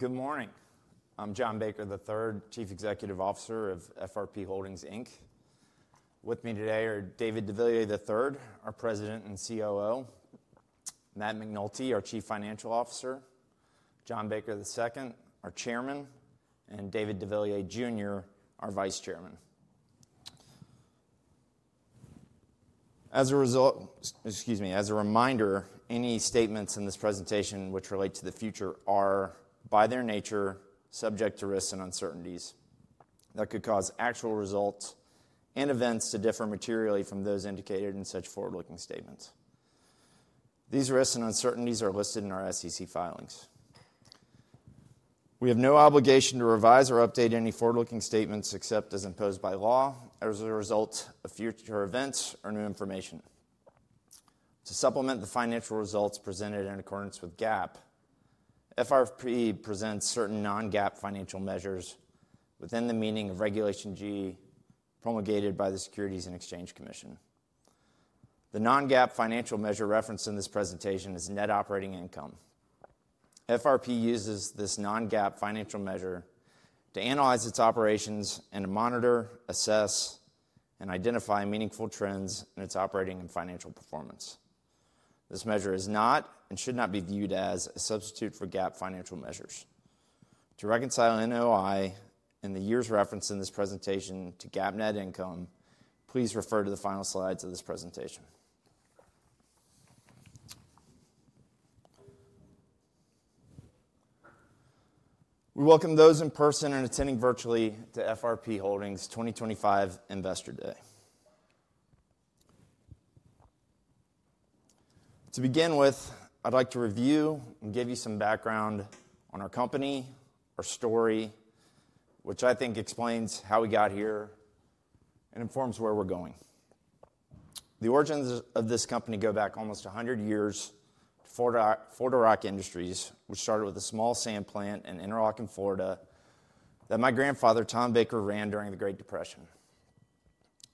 Good morning. I'm John Baker III, Chief Executive Officer of FRP Holdings Inc.. With me today are David deVilliers III, our President and COO; Matt McNulty, our Chief Financial Officer; John Baker II, our Chairman; and David deVilliers, Jr., our Vice Chairman. As a result—excuse me—as a reminder, any statements in this presentation which relate to the future are, by their nature, subject to risks and uncertainties that could cause actual results and events to differ materially from those indicated in such forward-looking statements. These risks and uncertainties are listed in our SEC filings. We have no obligation to revise or update any forward-looking statements except as imposed by law as a result of future events or new information. To supplement the financial results presented in accordance with GAAP, FRP presents certain non-GAAP financial measures within the meaning of Regulation G promulgated by the Securities and Exchange Commission. The non-GAAP financial measure referenced in this presentation is net operating income. FRP uses this non-GAAP financial measure to analyze its operations and to monitor, assess, and identify meaningful trends in its operating and financial performance. This measure is not and should not be viewed as a substitute for GAAP financial measures. To reconcile NOI and the years referenced in this presentation to GAAP net income, please refer to the final slides of this presentation. We welcome those in person and attending virtually to FRP Holdings' 2025 Investor Day. To begin with, I'd like to review and give you some background on our company, our story, which I think explains how we got here and informs where we're going. The origins of this company go back almost 100 years to Florida Rock Industries, which started with a small sand plant in Interlachen, Florida, that my grandfather, Tom Baker, ran during the Great Depression.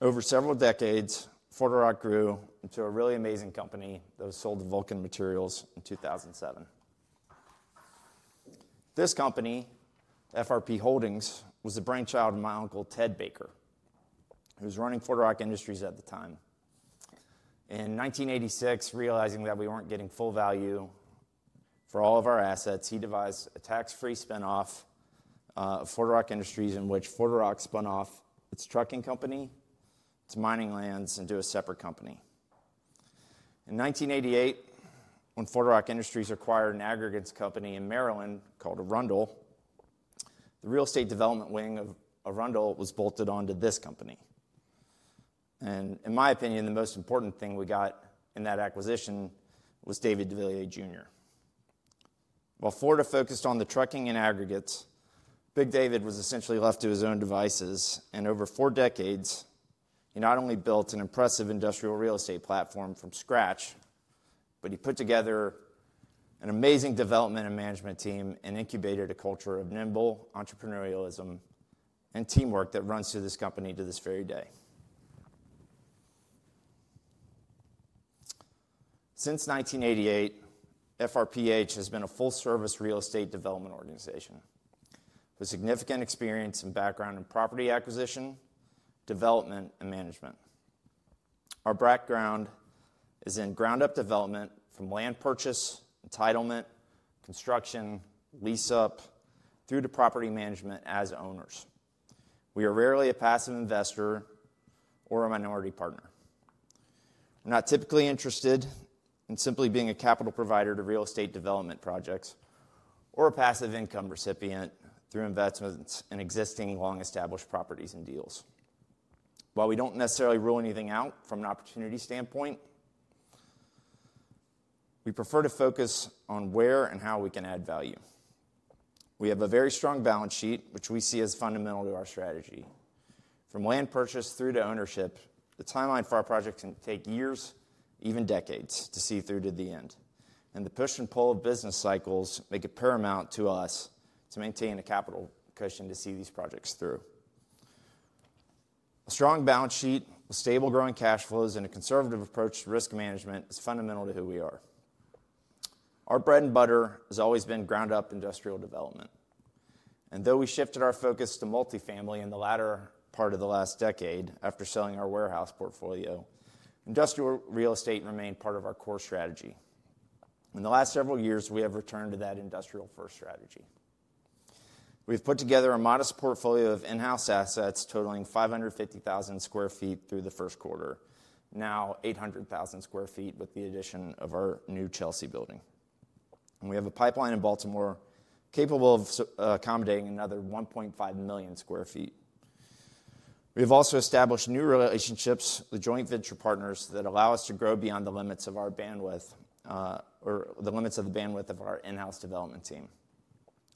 Over several decades, Florida Rock grew into a really amazing company that was sold to Vulcan Materials in 2007. This company, FRP Holdings, was the brainchild of my uncle, Ted Baker, who was running Florida Rock Industries at the time. In 1986, realizing that we were not getting full value for all of our assets, he devised a tax-free spinoff of Florida Rock Industries in which Florida Rock spun off its trucking company, its mining lands, into a separate company. In 1988, when Florida Rock Industries acquired an aggregates company in Maryland called Arundel, the real estate development wing of Arundel was bolted onto this company. In my opinion, the most important thing we got in that acquisition was David deVilliers, Jr. While Florida focused on the trucking and aggregates, Big David was essentially left to his own devices. Over four decades, he not only built an impressive industrial real estate platform from scratch, but he put together an amazing development and management team and incubated a culture of nimble entrepreneurialism and teamwork that runs through this company to this very day. Since 1988, FRP has been a full-service real estate development organization with significant experience and background in property acquisition, development, and management. Our background is in ground-up development from land purchase, entitlement, construction, lease-up, through to property management as owners. We are rarely a passive investor or a minority partner. We're not typically interested in simply being a capital provider to real estate development projects or a passive income recipient through investments in existing long-established properties and deals. While we don't necessarily rule anything out from an opportunity standpoint, we prefer to focus on where and how we can add value. We have a very strong balance sheet, which we see as fundamental to our strategy. From land purchase through to ownership, the timeline for our projects can take years, even decades, to see through to the end. The push and pull of business cycles make it paramount to us to maintain a capital cushion to see these projects through. A strong balance sheet with stable growing cash flows and a conservative approach to risk management is fundamental to who we are. Our bread and butter has always been ground-up industrial development. Though we shifted our focus to multifamily in the latter part of the last decade after selling our warehouse portfolio, industrial real estate remained part of our core strategy. In the last several years, we have returned to that industrial-first strategy. We have put together a modest portfolio of in-house assets totaling 550,000 sq ft through the first quarter, now 800,000 sq ft with the addition of our new Chelsea building. We have a pipeline in Baltimore capable of accommodating another 1.5 million sq ft. We have also established new relationships with joint venture partners that allow us to grow beyond the limits of our bandwidth or the limits of the bandwidth of our in-house development team.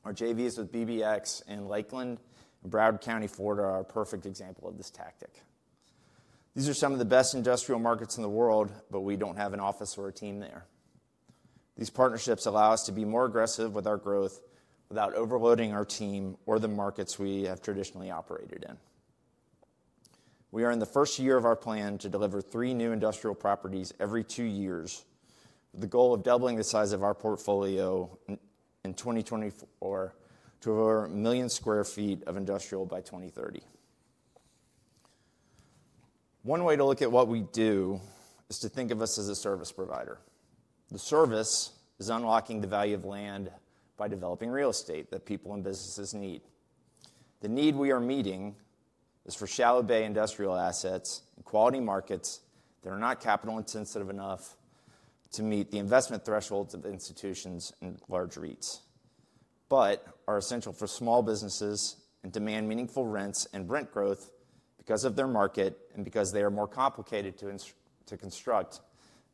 Our JVs with BBX in Lakeland and Broward County, Florida, are a perfect example of this tactic. These are some of the best industrial markets in the world, but we don't have an office or a team there. These partnerships allow us to be more aggressive with our growth without overloading our team or the markets we have traditionally operated in. We are in the first year of our plan to deliver three new industrial properties every two years with the goal of doubling the size of our portfolio in 2024 to over a million square feet of industrial by 2030. One way to look at what we do is to think of us as a service provider. The service is unlocking the value of land by developing real estate that people and businesses need. The need we are meeting is for shallow bay industrial assets in quality markets that are not capital-intensive enough to meet the investment thresholds of institutions and large REITs, but are essential for small businesses and demand meaningful rents and rent growth because of their market and because they are more complicated to construct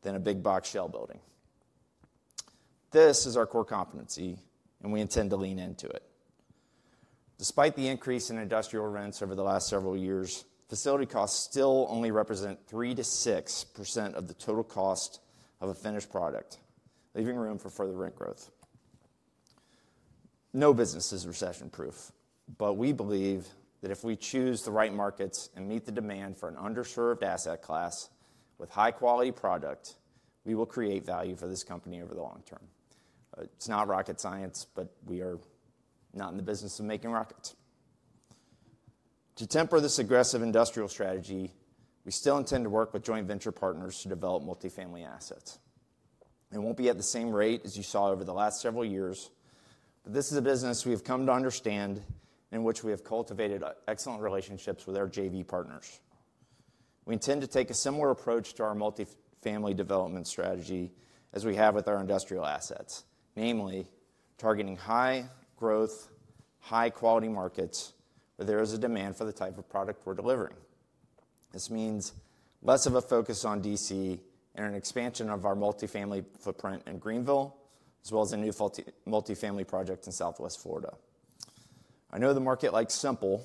than a big box shell building. This is our core competency, and we intend to lean into it. Despite the increase in industrial rents over the last several years, facility costs still only represent 3%-6% of the total cost of a finished product, leaving room for further rent growth. No business is recession-proof, but we believe that if we choose the right markets and meet the demand for an underserved asset class with high-quality product, we will create value for this company over the long term. It's not rocket science, but we are not in the business of making rockets. To temper this aggressive industrial strategy, we still intend to work with joint venture partners to develop multifamily assets. It won't be at the same rate as you saw over the last several years, but this is a business we have come to understand and in which we have cultivated excellent relationships with our JV partners. We intend to take a similar approach to our multifamily development strategy as we have with our industrial assets, namely targeting high-growth, high-quality markets where there is a demand for the type of product we're delivering. This means less of a focus on DC and an expansion of our multifamily footprint in Greenville, as well as a new multifamily project in southwest Florida. I know the market likes simple,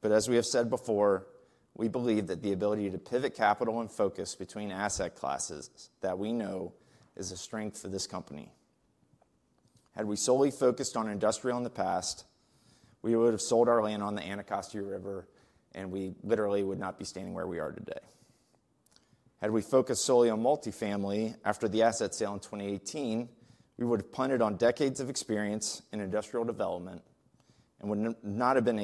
but as we have said before, we believe that the ability to pivot capital and focus between asset classes that we know is a strength for this company. Had we solely focused on industrial in the past, we would have sold our land on the Anacostia River, and we literally would not be standing where we are today. Had we focused solely on multifamily after the asset sale in 2018, we would have punted on decades of experience in industrial development and would not have been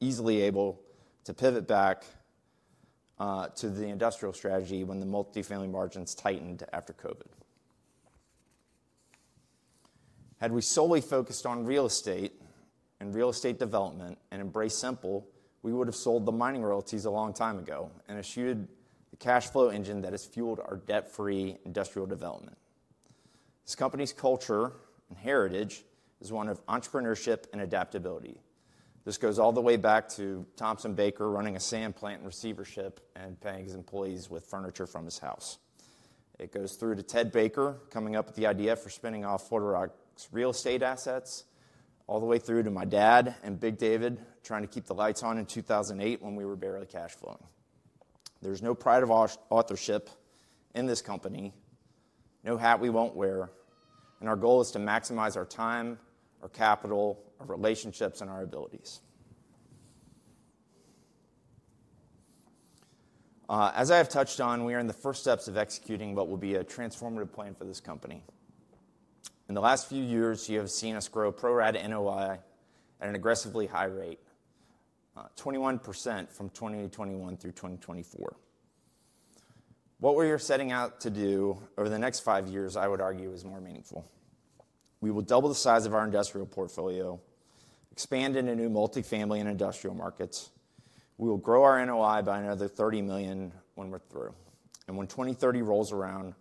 easily able to pivot back to the industrial strategy when the multifamily margins tightened after COVID. Had we solely focused on real estate and real estate development and embraced simple, we would have sold the mining royalties a long time ago and eschewed the cash flow engine that has fueled our debt-free industrial development. This company's culture and heritage is one of entrepreneurship and adaptability. This goes all the way back to Tom Baker running a sand plant in receivership and paying his employees with furniture from his house. It goes through to Ted Baker coming up with the idea for spinning off Florida Rock's real estate assets, all the way through to my dad and Big David trying to keep the lights on in 2008 when we were barely cash flowing. There is no pride of authorship in this company, no hat we won't wear, and our goal is to maximize our time, our capital, our relationships, and our abilities. As I have touched on, we are in the first steps of executing what will be a transformative plan for this company. In the last few years, you have seen us grow pro-rata NOI at an aggressively high rate, 21% from 2021 through 2024. What we are setting out to do over the next five years, I would argue, is more meaningful. We will double the size of our industrial portfolio, expand into new multifamily and industrial markets. We will grow our NOI by another $30 million when we're through. When 2030 rolls around,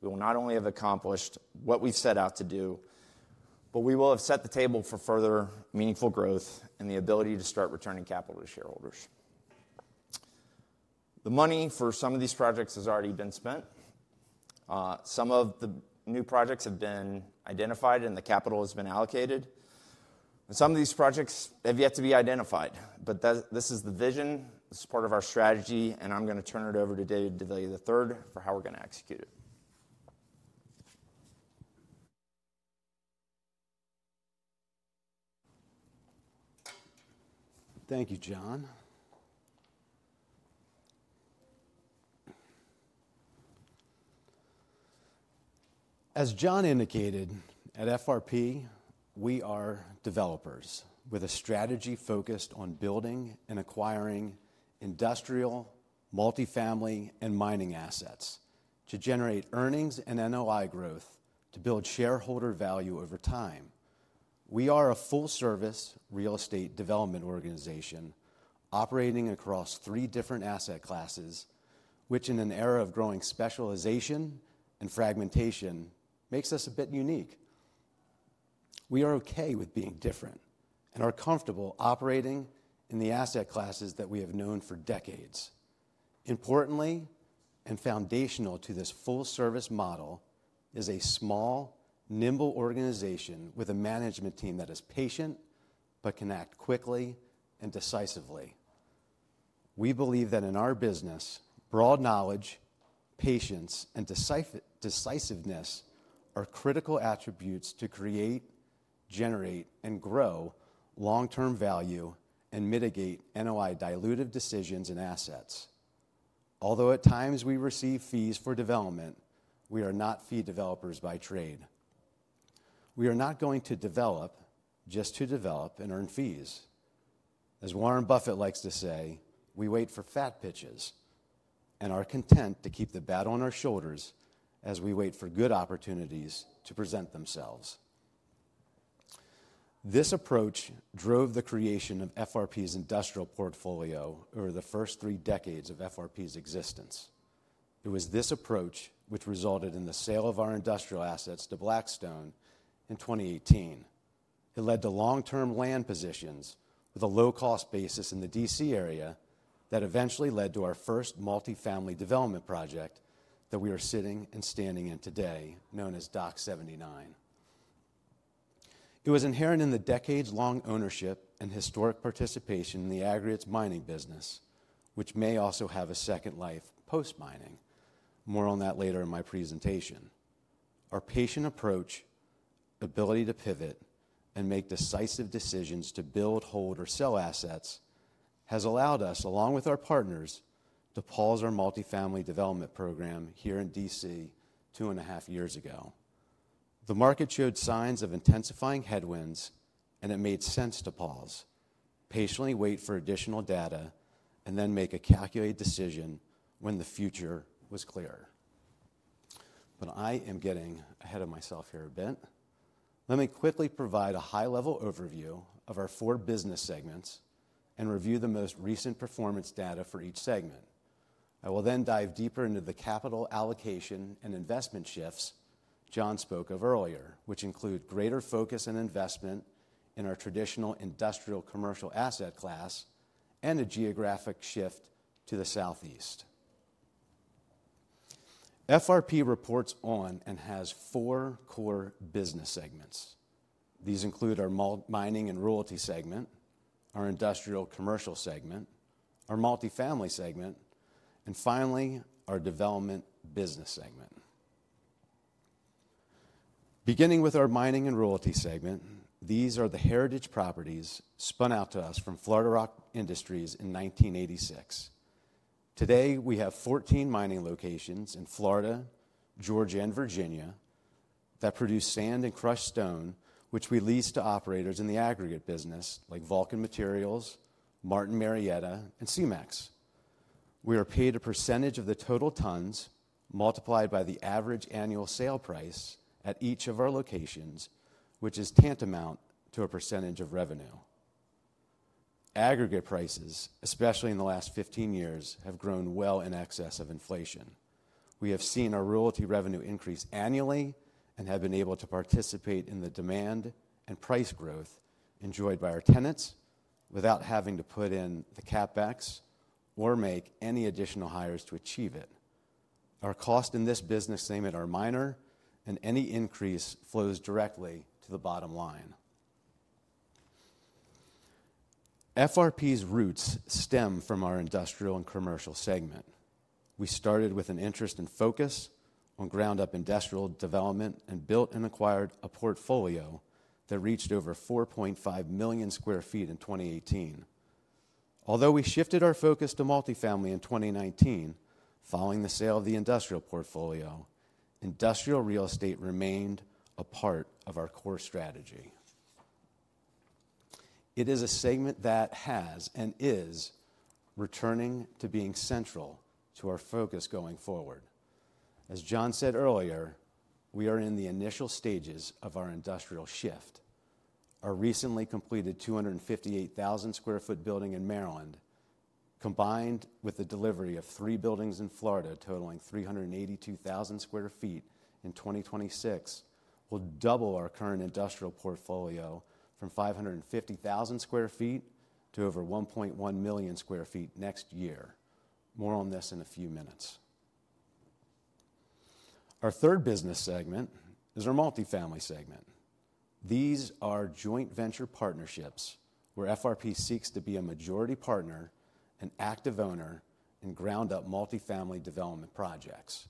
we will not only have accomplished what we've set out to do, but we will have set the table for further meaningful growth and the ability to start returning capital to shareholders. The money for some of these projects has already been spent. Some of the new projects have been identified, and the capital has been allocated. Some of these projects have yet to be identified. This is the vision. This is part of our strategy. I am going to turn it over to David deVilliers III, for how we are going to execute it. Thank you, John. As John indicated, at FRP, we are developers with a strategy focused on building and acquiring industrial, multifamily, and mining assets to generate earnings and NOI growth to build shareholder value over time. We are a full-service real estate development organization operating across three different asset classes, which, in an era of growing specialization and fragmentation, makes us a bit unique. We are okay with being different and are comfortable operating in the asset classes that we have known for decades. Importantly and foundational to this full-service model is a small, nimble organization with a management team that is patient but can act quickly and decisively. We believe that in our business, broad knowledge, patience, and decisiveness are critical attributes to create, generate, and grow long-term value and mitigate NOI dilutive decisions and assets. Although at times we receive fees for development, we are not fee developers by trade. We are not going to develop just to develop and earn fees. As Warren Buffett likes to say, we wait for fat pitches and are content to keep the bat on our shoulders as we wait for good opportunities to present themselves. This approach drove the creation of FRP's industrial portfolio over the first three decades of FRP's existence. It was this approach which resulted in the sale of our industrial assets to Blackstone in 2018. It led to long-term land positions with a low-cost basis in the DC area that eventually led to our first multifamily development project that we are sitting and standing in today, known as DOC 79. It was inherent in the decades-long ownership and historic participation in the aggregates mining business, which may also have a second life post-mining. More on that later in my presentation. Our patient approach, ability to pivot, and make decisive decisions to build, hold, or sell assets has allowed us, along with our partners, to pause our multifamily development program here in DC two-and-a-half years ago. The market showed signs of intensifying headwinds, and it made sense to pause, patiently wait for additional data, and then make a calculated decision when the future was clearer. I am getting ahead of myself here a bit. Let me quickly provide a high-level overview of our four business segments and review the most recent performance data for each segment. I will then dive deeper into the capital allocation and investment shifts John spoke of earlier, which include greater focus and investment in our traditional industrial commercial asset class and a geographic shift to the southeast. FRP reports on and has four core business segments. These include our mining and royalty segment, our industrial commercial segment, our multifamily segment, and finally, our development business segment. Beginning with our mining and royalty segment, these are the heritage properties spun out to us from Florida Rock Industries in 1986. Today, we have 14 mining locations in Florida, Georgia, and Virginia that produce sand and crushed stone, which we lease to operators in the aggregate business like Vulcan Materials, Martin Marietta, and CMAX. We are paid a percentage of the total tons multiplied by the average annual sale price at each of our locations, which is tantamount to a percentage of revenue. Aggregate prices, especially in the last 15 years, have grown well in excess of inflation. We have seen our royalty revenue increase annually and have been able to participate in the demand and price growth enjoyed by our tenants without having to put in the CapEx or make any additional hires to achieve it. Our cost in this business name at our miner and any increase flows directly to the bottom line. FRP's roots stem from our industrial and commercial segment. We started with an interest and focus on ground-up industrial development and built and acquired a portfolio that reached over 4.5 million square feet in 2018. Although we shifted our focus to multifamily in 2019 following the sale of the industrial portfolio, industrial real estate remained a part of our core strategy. It is a segment that has and is returning to being central to our focus going forward. As John said earlier, we are in the initial stages of our industrial shift. Our recently completed 258,000 sq ft building in Maryland, combined with the delivery of three buildings in Florida totaling 382,000 sq ft in 2026, will double our current industrial portfolio from 550,000 sq ft to over 1.1 million sq ft next year. More on this in a few minutes. Our third business segment is our multifamily segment. These are joint venture partnerships where FRP seeks to be a majority partner, an active owner, in ground-up multifamily development projects.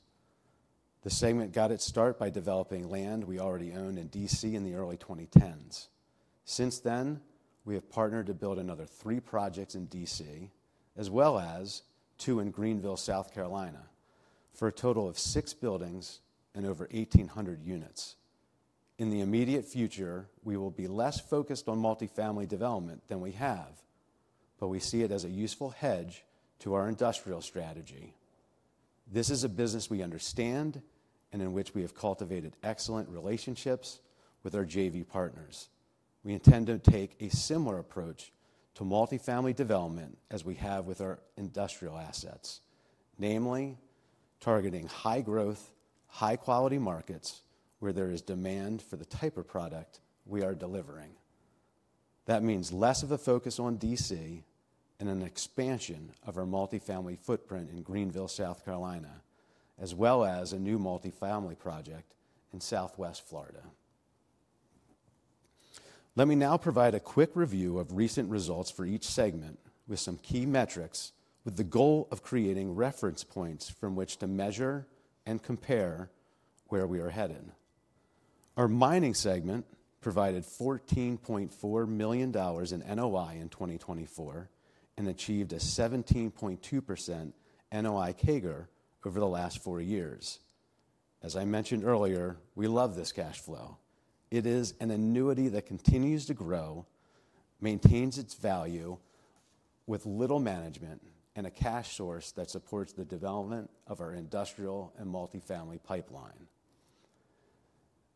The segment got its start by developing land we already owned in DC in the early 2010s. Since then, we have partnered to build another three projects in DC, as well as two in Greenville, South Carolina, for a total of six buildings and over 1,800 units. In the immediate future, we will be less focused on multifamily development than we have, but we see it as a useful hedge to our industrial strategy. This is a business we understand and in which we have cultivated excellent relationships with our JV partners. We intend to take a similar approach to multifamily development as we have with our industrial assets, namely targeting high-growth, high-quality markets where there is demand for the type of product we are delivering. That means less of a focus on D.C. and an expansion of our multifamily footprint in Greenville, South Carolina, as well as a new multifamily project in southwest Florida. Let me now provide a quick review of recent results for each segment with some key metrics, with the goal of creating reference points from which to measure and compare where we are headed. Our mining segment provided $14.4 million in NOI in 2024 and achieved a 17.2% NOI CAGR over the last four years. As I mentioned earlier, we love this cash flow. It is an annuity that continues to grow, maintains its value with little management, and a cash source that supports the development of our industrial and multifamily pipeline.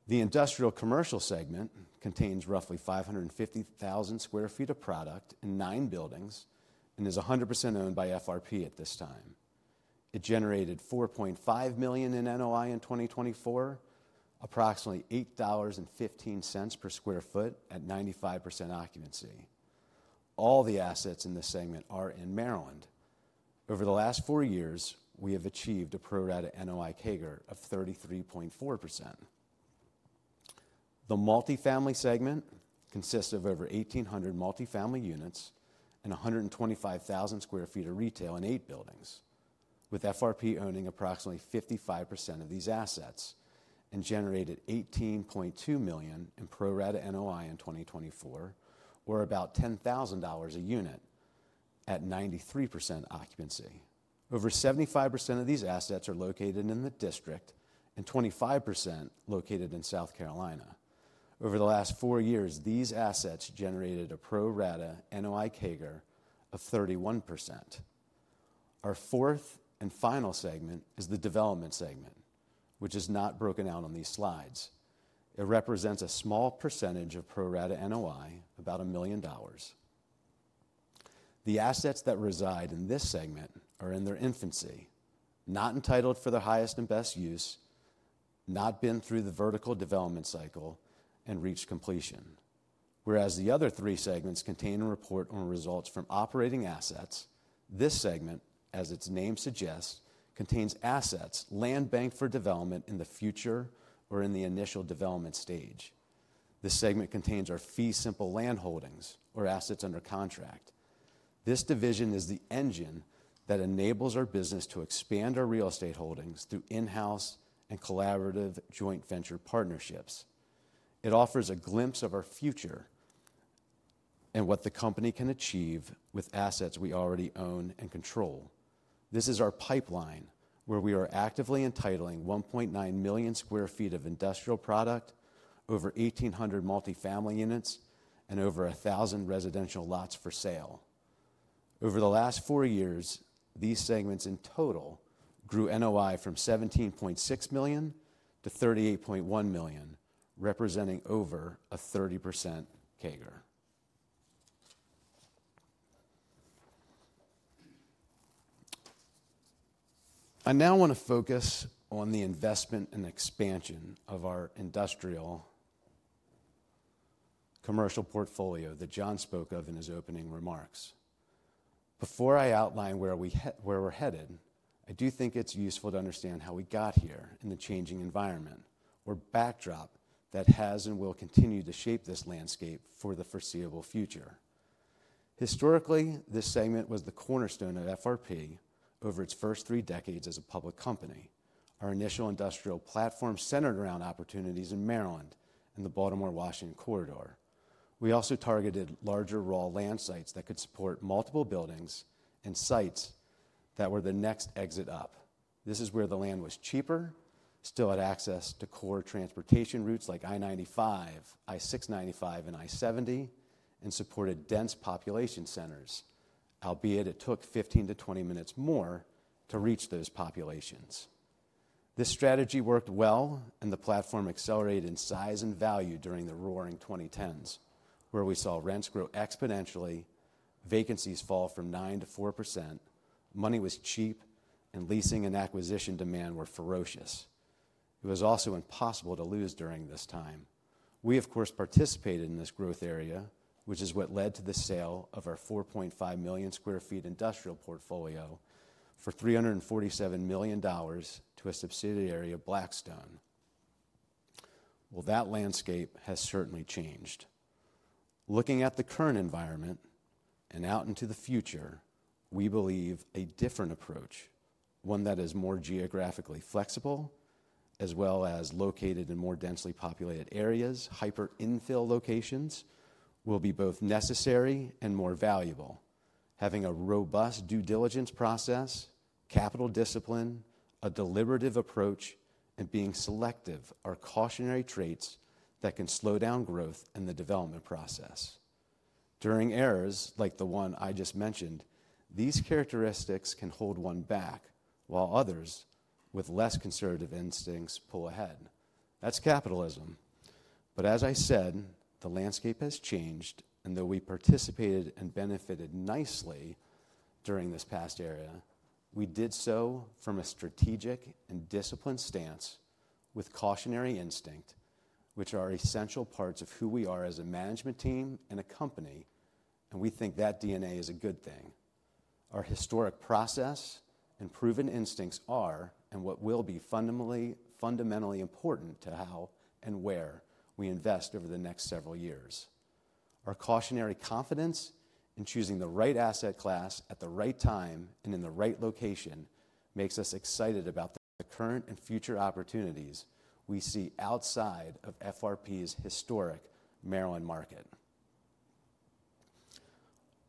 The industrial commercial segment contains roughly 550,000 sq ft of product in nine buildings and is 100% owned by FRP at this time. It generated $4.5 million in NOI in 2024, approximately $8.15 per sq ft at 95% occupancy. All the assets in this segment are in Maryland. Over the last four years, we have achieved a pro-rata NOI CAGR of 33.4%. The multifamily segment consists of over 1,800 multifamily units and 125,000 sq ft of retail in eight buildings, with FRP owning approximately 55% of these assets and generated $18.2 million in pro-rata NOI in 2024, or about $10,000 a unit at 93% occupancy. Over 75% of these assets are located in the district and 25% located in South Carolina. Over the last four years, these assets generated a pro-rata NOI CAGR of 31%. Our fourth and final segment is the development segment, which is not broken out on these slides. It represents a small percentage of pro-rata NOI, about $1 million. The assets that reside in this segment are in their infancy, not entitled for the highest and best use, not been through the vertical development cycle, and reached completion. Whereas the other three segments contain a report on results from operating assets, this segment, as its name suggests, contains assets land banked for development in the future or in the initial development stage. This segment contains our fee simple land holdings, or assets under contract. This division is the engine that enables our business to expand our real estate holdings through in-house and collaborative joint venture partnerships. It offers a glimpse of our future and what the company can achieve with assets we already own and control. This is our pipeline where we are actively entitling 1.9 million sq ft of industrial product, over 1,800 multifamily units, and over 1,000 residential lots for sale. Over the last four years, these segments in total grew NOI from $17.6 million to $38.1 million, representing over a 30% CAGR. I now want to focus on the investment and expansion of our industrial commercial portfolio that John spoke of in his opening remarks. Before I outline where we're headed, I do think it's useful to understand how we got here in the changing environment or backdrop that has and will continue to shape this landscape for the foreseeable future. Historically, this segment was the cornerstone of FRP over its first three decades as a public company. Our initial industrial platform centered around opportunities in Maryland and the Baltimore-Washington corridor. We also targeted larger raw land sites that could support multiple buildings and sites that were the next exit up. This is where the land was cheaper, still had access to core transportation routes like I-95, I-695, and I-70, and supported dense population centers, albeit it took 15 minutes-20 minutes more to reach those populations. This strategy worked well, and the platform accelerated in size and value during the roaring 2010s, where we saw rents grow exponentially, vacancies fall from 9% to 4%, money was cheap, and leasing and acquisition demand were ferocious. It was also impossible to lose during this time. We, of course, participated in this growth area, which is what led to the sale of our 4.5 million sq ft industrial portfolio for $347 million to a subsidiary of Blackstone. That landscape has certainly changed. Looking at the current environment and out into the future, we believe a different approach, one that is more geographically flexible, as well as located in more densely populated areas, hyper-infill locations, will be both necessary and more valuable. Having a robust due diligence process, capital discipline, a deliberative approach, and being selective are cautionary traits that can slow down growth and the development process. During eras like the one I just mentioned, these characteristics can hold one back, while others, with less conservative instincts, pull ahead. That's capitalism. As I said, the landscape has changed, and though we participated and benefited nicely during this past era, we did so from a strategic and disciplined stance with cautionary instinct, which are essential parts of who we are as a management team and a company, and we think that DNA is a good thing. Our historic process and proven instincts are and what will be fundamentally important to how and where we invest over the next several years. Our cautionary confidence in choosing the right asset class at the right time and in the right location makes us excited about the current and future opportunities we see outside of FRP's historic Maryland market.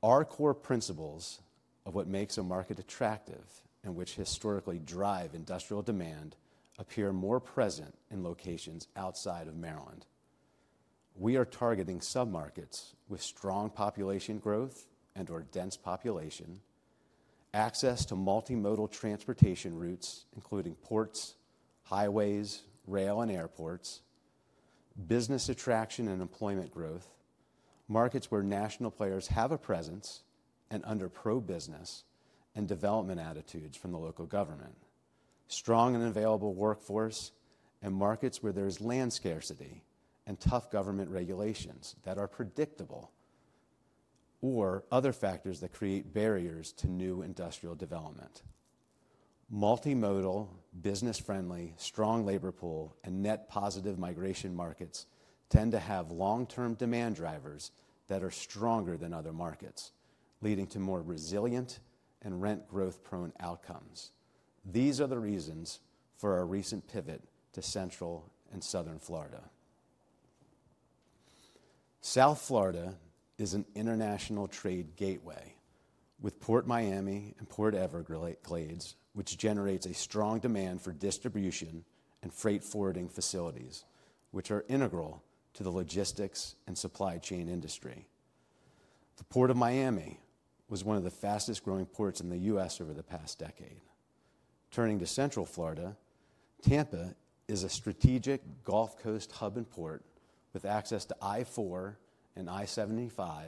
Our core principles of what makes a market attractive and which historically drive industrial demand appear more present in locations outside of Maryland. We are targeting submarkets with strong population growth and/or dense population, access to multimodal transportation routes, including ports, highways, rail, and airports, business attraction and employment growth, markets where national players have a presence and under pro-business and development attitudes from the local government, strong and available workforce, and markets where there is land scarcity and tough government regulations that are predictable or other factors that create barriers to new industrial development. Multimodal, business-friendly, strong labor pool, and net positive migration markets tend to have long-term demand drivers that are stronger than other markets, leading to more resilient and rent-growth-prone outcomes. These are the reasons for our recent pivot to central and southern Florida. South Florida is an international trade gateway with Port of Miami and Port Everglades, which generates a strong demand for distribution and freight forwarding facilities, which are integral to the logistics and supply chain industry. The Port of Miami was one of the fastest-growing ports in the U.S. over the past decade. Turning to central Florida, Tampa is a strategic Gulf Coast hub and port with access to I-4 and I-75,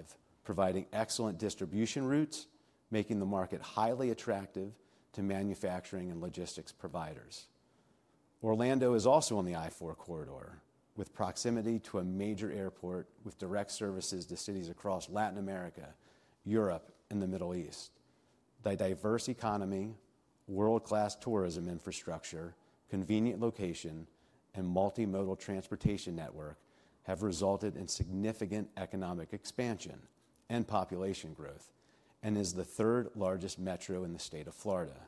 providing excellent distribution routes, making the market highly attractive to manufacturing and logistics providers. Orlando is also on the I-4 corridor, with proximity to a major airport with direct services to cities across Latin America, Europe, and the Middle East. The diverse economy, world-class tourism infrastructure, convenient location, and multimodal transportation network have resulted in significant economic expansion and population growth, and is the third largest metro in the state of Florida.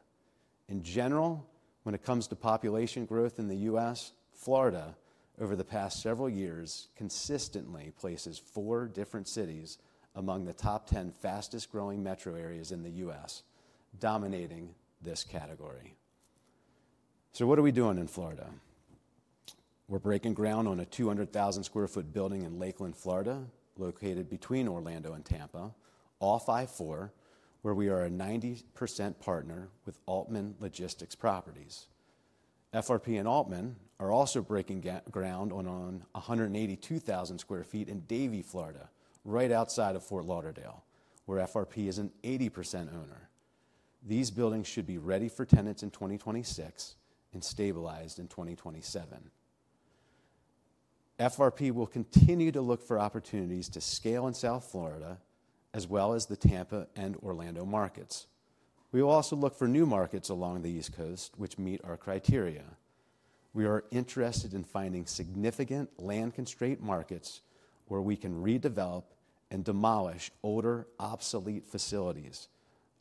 In general, when it comes to population growth in the U.S., Florida, over the past several years, consistently places four different cities among the top 10 fastest-growing metro areas in the U.S., dominating this category. So what are we doing in Florida? We're breaking ground on a 200,000 sq ft building in Lakeland, Florida, located between Orlando and Tampa, off I-4, where we are a 90% partner with Altman Logistics Properties. FRP and Altman are also breaking ground on 182,000 sq ft in Davie, Florida, right outside of Fort Lauderdale, where FRP is an 80% owner. These buildings should be ready for tenants in 2026 and stabilized in 2027. FRP will continue to look for opportunities to scale in South Florida, as well as the Tampa and Orlando markets. We will also look for new markets along the East Coast, which meet our criteria. We are interested in finding significant land-constraint markets where we can redevelop and demolish older, obsolete facilities,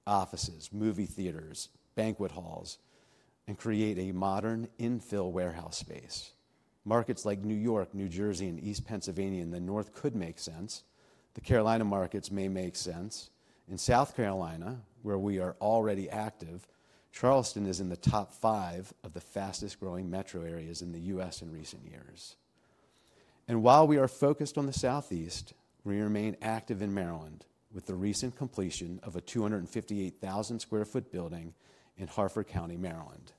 offices, movie theaters, banquet halls, and create a modern infill warehouse space. Markets like New York, New Jersey, and East Pennsylvania in the north could make sense. The Carolina markets may make sense. In South Carolina, where we are already active, Charleston is in the top five of the fastest-growing metro areas in the U.S. in recent years. While we are focused on the southeast, we remain active in Maryland with the recent completion of a 258,000 sq ft building in Harford County, Maryland.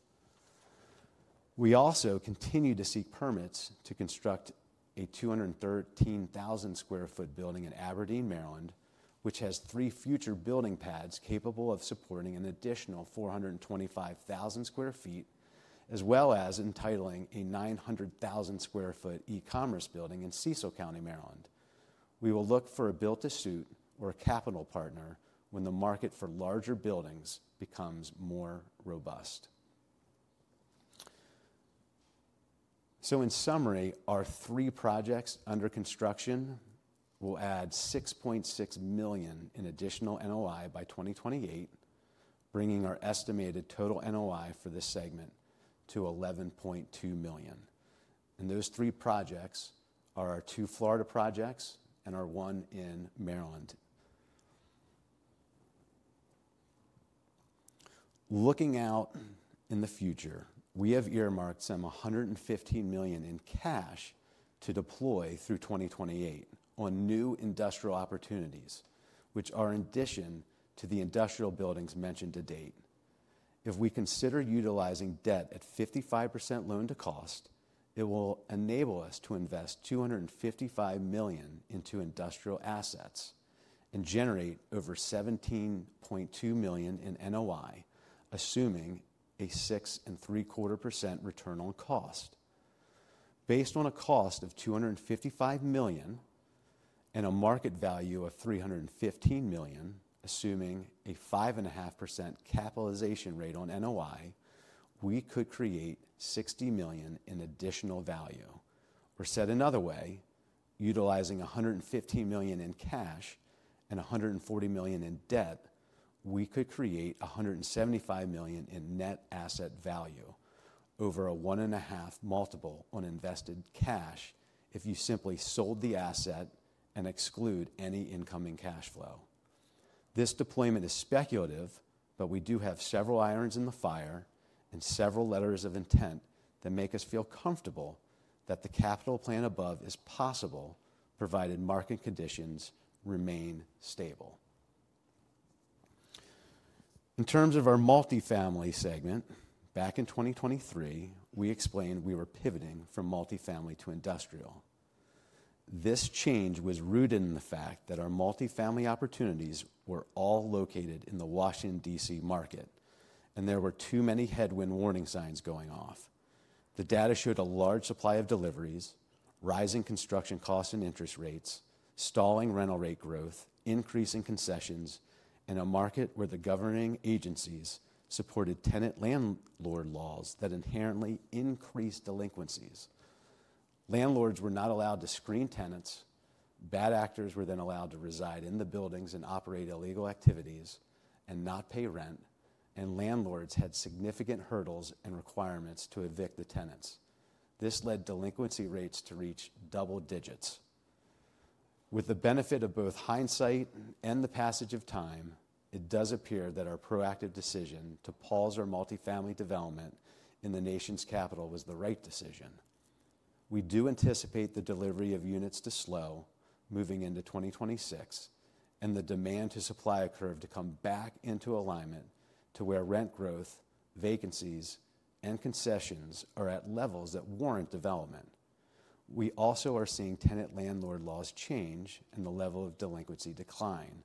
We also continue to seek permits to construct a 213,000 sq ft building in Aberdeen, Maryland, which has three future building pads capable of supporting an additional 425,000 sq ft, as well as entitling a 900,000 sq ft e-commerce building in Cecil County, Maryland. We will look for a built-to-suit or a capital partner when the market for larger buildings becomes more robust. In summary, our three projects under construction will add $6.6 million in additional NOI by 2028, bringing our estimated total NOI for this segment to $11.2 million. Those three projects are our two Florida projects and our one in Maryland. Looking out in the future, we have earmarked some $115 million in cash to deploy through 2028 on new industrial opportunities, which are in addition to the industrial buildings mentioned to date. If we consider utilizing debt at 55% loan to cost, it will enable us to invest $255 million into industrial assets and generate over $17.2 million in NOI, assuming a 6.75% return on cost. Based on a cost of $255 million and a market value of $315 million, assuming a 5.5% capitalization rate on NOI, we could create $60 million in additional value. Or said another way, utilizing $115 million in cash and $140 million in debt, we could create $175 million in net asset value over a one and a half multiple on invested cash if you simply sold the asset and exclude any incoming cash flow. This deployment is speculative, but we do have several irons in the fire and several letters of intent that make us feel comfortable that the capital plan above is possible, provided market conditions remain stable. In terms of our multifamily segment, back in 2023, we explained we were pivoting from multifamily to industrial. This change was rooted in the fact that our multifamily opportunities were all located in the Washington, D.C. market, and there were too many headwind warning signs going off. The data showed a large supply of deliveries, rising construction costs and interest rates, stalling rental rate growth, increasing concessions, and a market where the governing agencies supported tenant-landlord laws that inherently increased delinquencies. Landlords were not allowed to screen tenants. Bad actors were then allowed to reside in the buildings and operate illegal activities and not pay rent, and landlords had significant hurdles and requirements to evict the tenants. This led delinquency rates to reach double digits. With the benefit of both hindsight and the passage of time, it does appear that our proactive decision to pause our multifamily development in the nation's capital was the right decision. We do anticipate the delivery of units to slow moving into 2026, and the demand-to-supply curve to come back into alignment to where rent growth, vacancies, and concessions are at levels that warrant development. We also are seeing tenant-landlord laws change and the level of delinquency decline.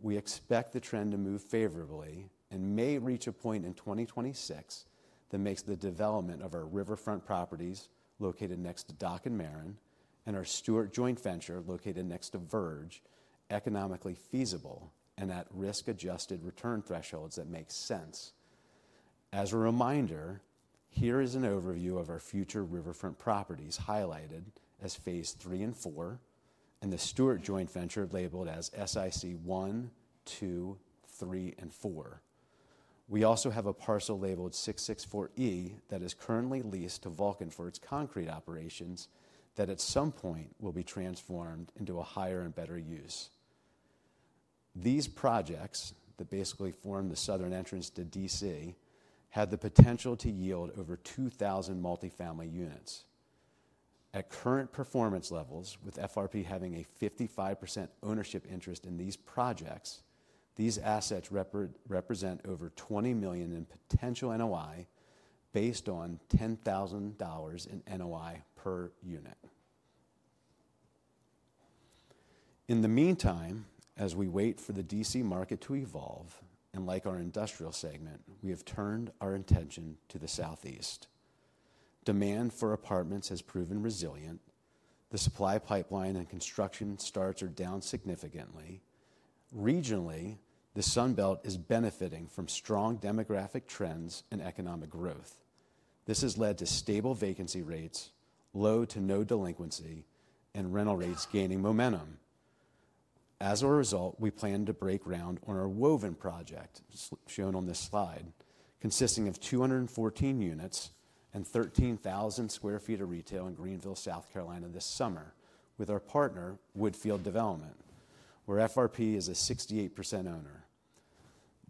We expect the trend to move favorably and may reach a point in 2026 that makes the development of our Riverfront properties located next to DOC and Marin and our Stewart Joint Venture located next to Verge economically feasible and at risk-adjusted return thresholds that make sense. As a reminder, here is an overview of our future Riverfront properties highlighted as phase 3 and 4 and the Stewart Joint Venture labeled as SIC 1, 2, 3, and 4. We also have a parcel labeled 664E that is currently leased to Vulcan for its concrete operations that at some point will be transformed into a higher and better use. These projects that basically form the southern entrance to D.C. have the potential to yield over 2,000 multifamily units. At current performance levels, with FRP having a 55% ownership interest in these projects, these assets represent over $20 million in potential NOI based on $10,000 in NOI per unit. In the meantime, as we wait for the D.C. market to evolve, and like our industrial segment, we have turned our attention to the southeast. Demand for apartments has proven resilient. The supply pipeline and construction starts are down significantly. Regionally, the Sunbelt is benefiting from strong demographic trends and economic growth. This has led to stable vacancy rates, low to no delinquency, and rental rates gaining momentum. As a result, we plan to break ground on our Woven project shown on this slide, consisting of 214 units and 13,000 sq ft of retail in Greenville, South Carolina, this summer with our partner, Woodfield Development, where FRP is a 68% owner.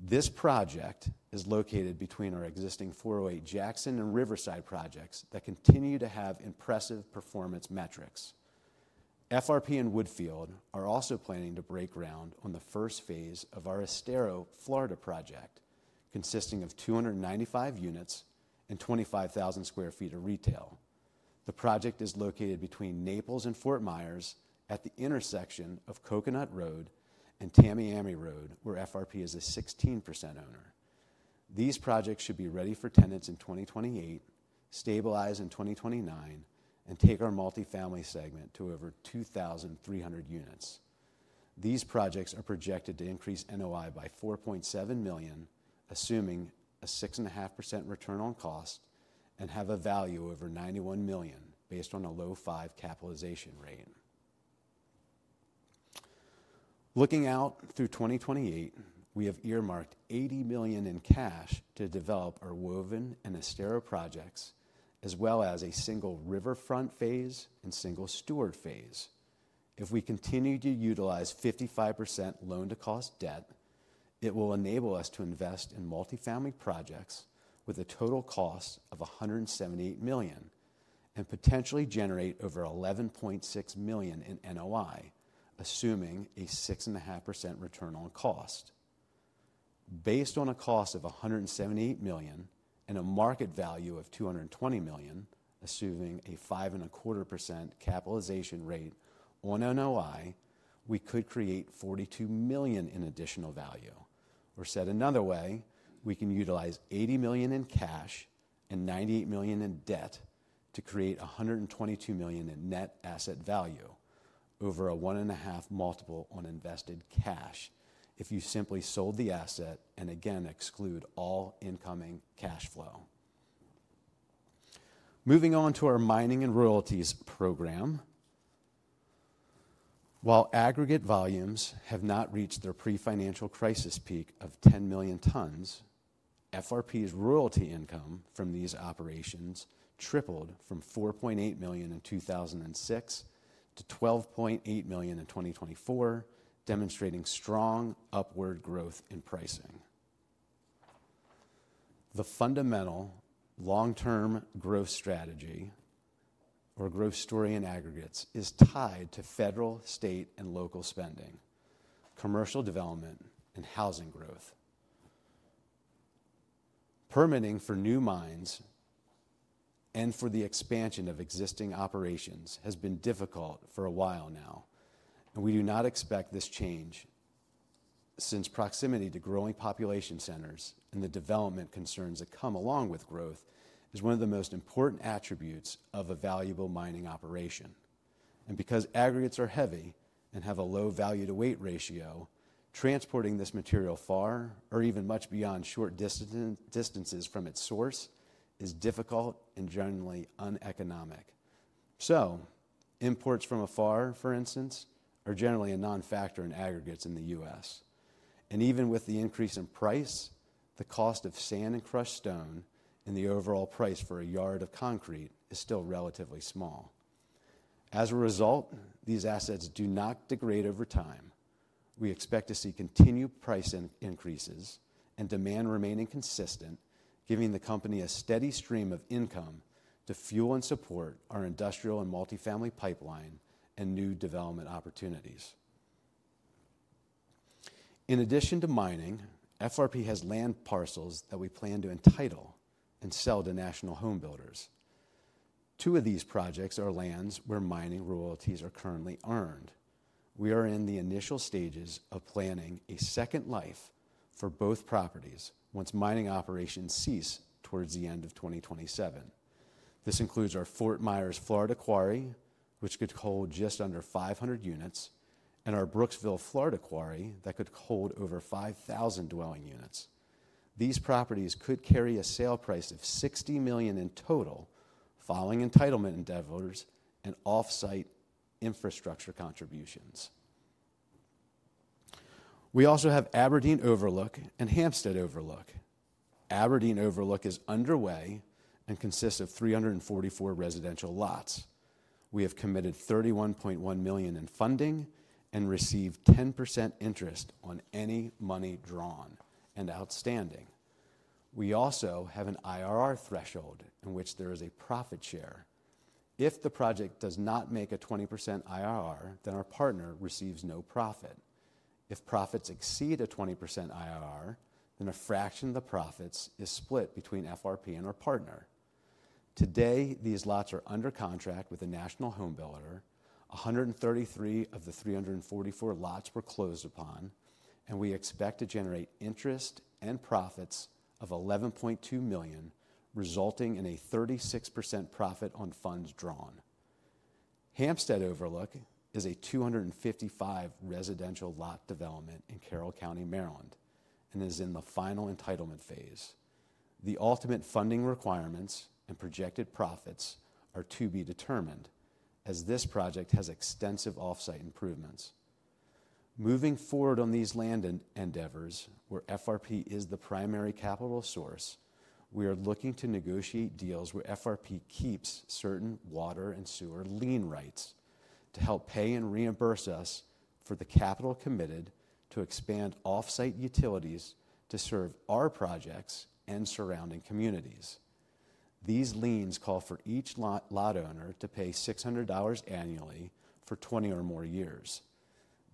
This project is located between our existing 408 Jackson and Riverside projects that continue to have impressive performance metrics. FRP and Woodfield are also planning to break ground on the first phase of our Estero, Florida project, consisting of 295 units and 25,000 sq ft of retail. The project is located between Naples and Fort Myers at the intersection of Coconut Road and Tamiami Road, where FRP is a 16% owner. These projects should be ready for tenants in 2028, stabilize in 2029, and take our multifamily segment to over 2,300 units. These projects are projected to increase NOI by $4.7 million, assuming a 6.5% return on cost, and have a value of over $91 million based on a low 5% capitalization rate. Looking out through 2028, we have earmarked $80 million in cash to develop our Woven and Estero projects, as well as a single Riverfront phase and single Stewart phase. If we continue to utilize 55% loan-to-cost debt, it will enable us to invest in multifamily projects with a total cost of $178 million and potentially generate over $11.6 million in NOI, assuming a 6.5% return on cost. Based on a cost of $178 million and a market value of $220 million, assuming a 5.25% capitalization rate on NOI, we could create $42 million in additional value. Or said another way, we can utilize $80 million in cash and $98 million in debt to create $122 million in net asset value over a one and a half multiple on invested cash if you simply sold the asset and again exclude all incoming cash flow. Moving on to our mining and royalties program. While aggregate volumes have not reached their pre-financial crisis peak of 10 million tons, FRP's royalty income from these operations tripled from $4.8 million in 2006 to $12.8 million in 2024, demonstrating strong upward growth in pricing. The fundamental long-term growth strategy or growth story in aggregates is tied to federal, state, and local spending, commercial development, and housing growth. Permitting for new mines and for the expansion of existing operations has been difficult for a while now, and we do not expect this to change since proximity to growing population centers and the development concerns that come along with growth is one of the most important attributes of a valuable mining operation. Because aggregates are heavy and have a low value-to-weight ratio, transporting this material far or even much beyond short distances from its source is difficult and generally uneconomic. Imports from afar, for instance, are generally a non-factor in aggregates in the U.S. Even with the increase in price, the cost of sand and crushed stone and the overall price for a yard of concrete is still relatively small. As a result, these assets do not degrade over time. We expect to see continued price increases and demand remaining consistent, giving the company a steady stream of income to fuel and support our industrial and multifamily pipeline and new development opportunities. In addition to mining, FRP has land parcels that we plan to entitle and sell to national homebuilders. Two of these projects are lands where mining royalties are currently earned. We are in the initial stages of planning a second life for both properties once mining operations cease towards the end of 2027. This includes our Fort Myers, Florida quarry, which could hold just under 500 units, and our Brooksville, Florida quarry that could hold over 5,000 dwelling units. These properties could carry a sale price of $60 million in total following entitlement and debt voters and off-site infrastructure contributions. We also have Aberdeen Overlook and Hampstead Overlook. Aberdeen Overlook is underway and consists of 344 residential lots. We have committed $31.1 million in funding and received 10% interest on any money drawn and outstanding. We also have an IRR threshold in which there is a profit share. If the project does not make a 20% IRR, then our partner receives no profit. If profits exceed a 20% IRR, then a fraction of the profits is split between FRP and our partner. Today, these lots are under contract with a national homebuilder, 133 of the 344 lots were closed upon, and we expect to generate interest and profits of $11.2 million, resulting in a 36% profit on funds drawn. Hampstead Overlook is a 255 residential lot development in Carroll County, Maryland, and is in the final entitlement phase. The ultimate funding requirements and projected profits are to be determined as this project has extensive off-site improvements. Moving forward on these land endeavors, where FRP is the primary capital source, we are looking to negotiate deals where FRP keeps certain water and sewer lien rights to help pay and reimburse us for the capital committed to expand off-site utilities to serve our projects and surrounding communities. These liens call for each lot owner to pay $600 annually for 20 or more years.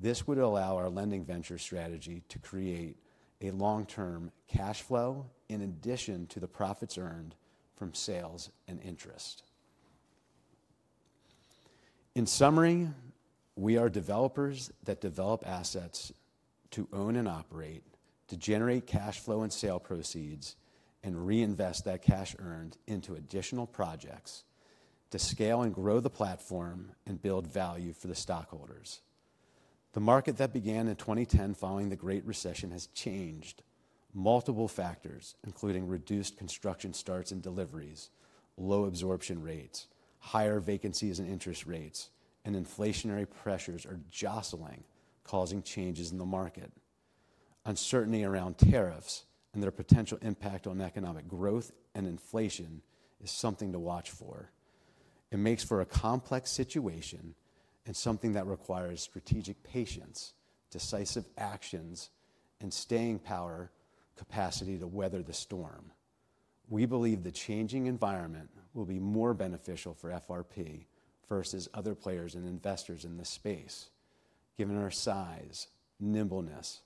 This would allow our lending venture strategy to create a long-term cash flow in addition to the profits earned from sales and interest. In summary, we are developers that develop assets to own and operate, to generate cash flow and sale proceeds, and reinvest that cash earned into additional projects to scale and grow the platform and build value for the stockholders. The market that began in 2010 following the Great Recession has changed. Multiple factors, including reduced construction starts and deliveries, low absorption rates, higher vacancies and interest rates, and inflationary pressures are jostling, causing changes in the market. Uncertainty around tariffs and their potential impact on economic growth and inflation is something to watch for. It makes for a complex situation and something that requires strategic patience, decisive actions, and staying power capacity to weather the storm. We believe the changing environment will be more beneficial for FRP versus other players and investors in this space, given our size, nimbleness,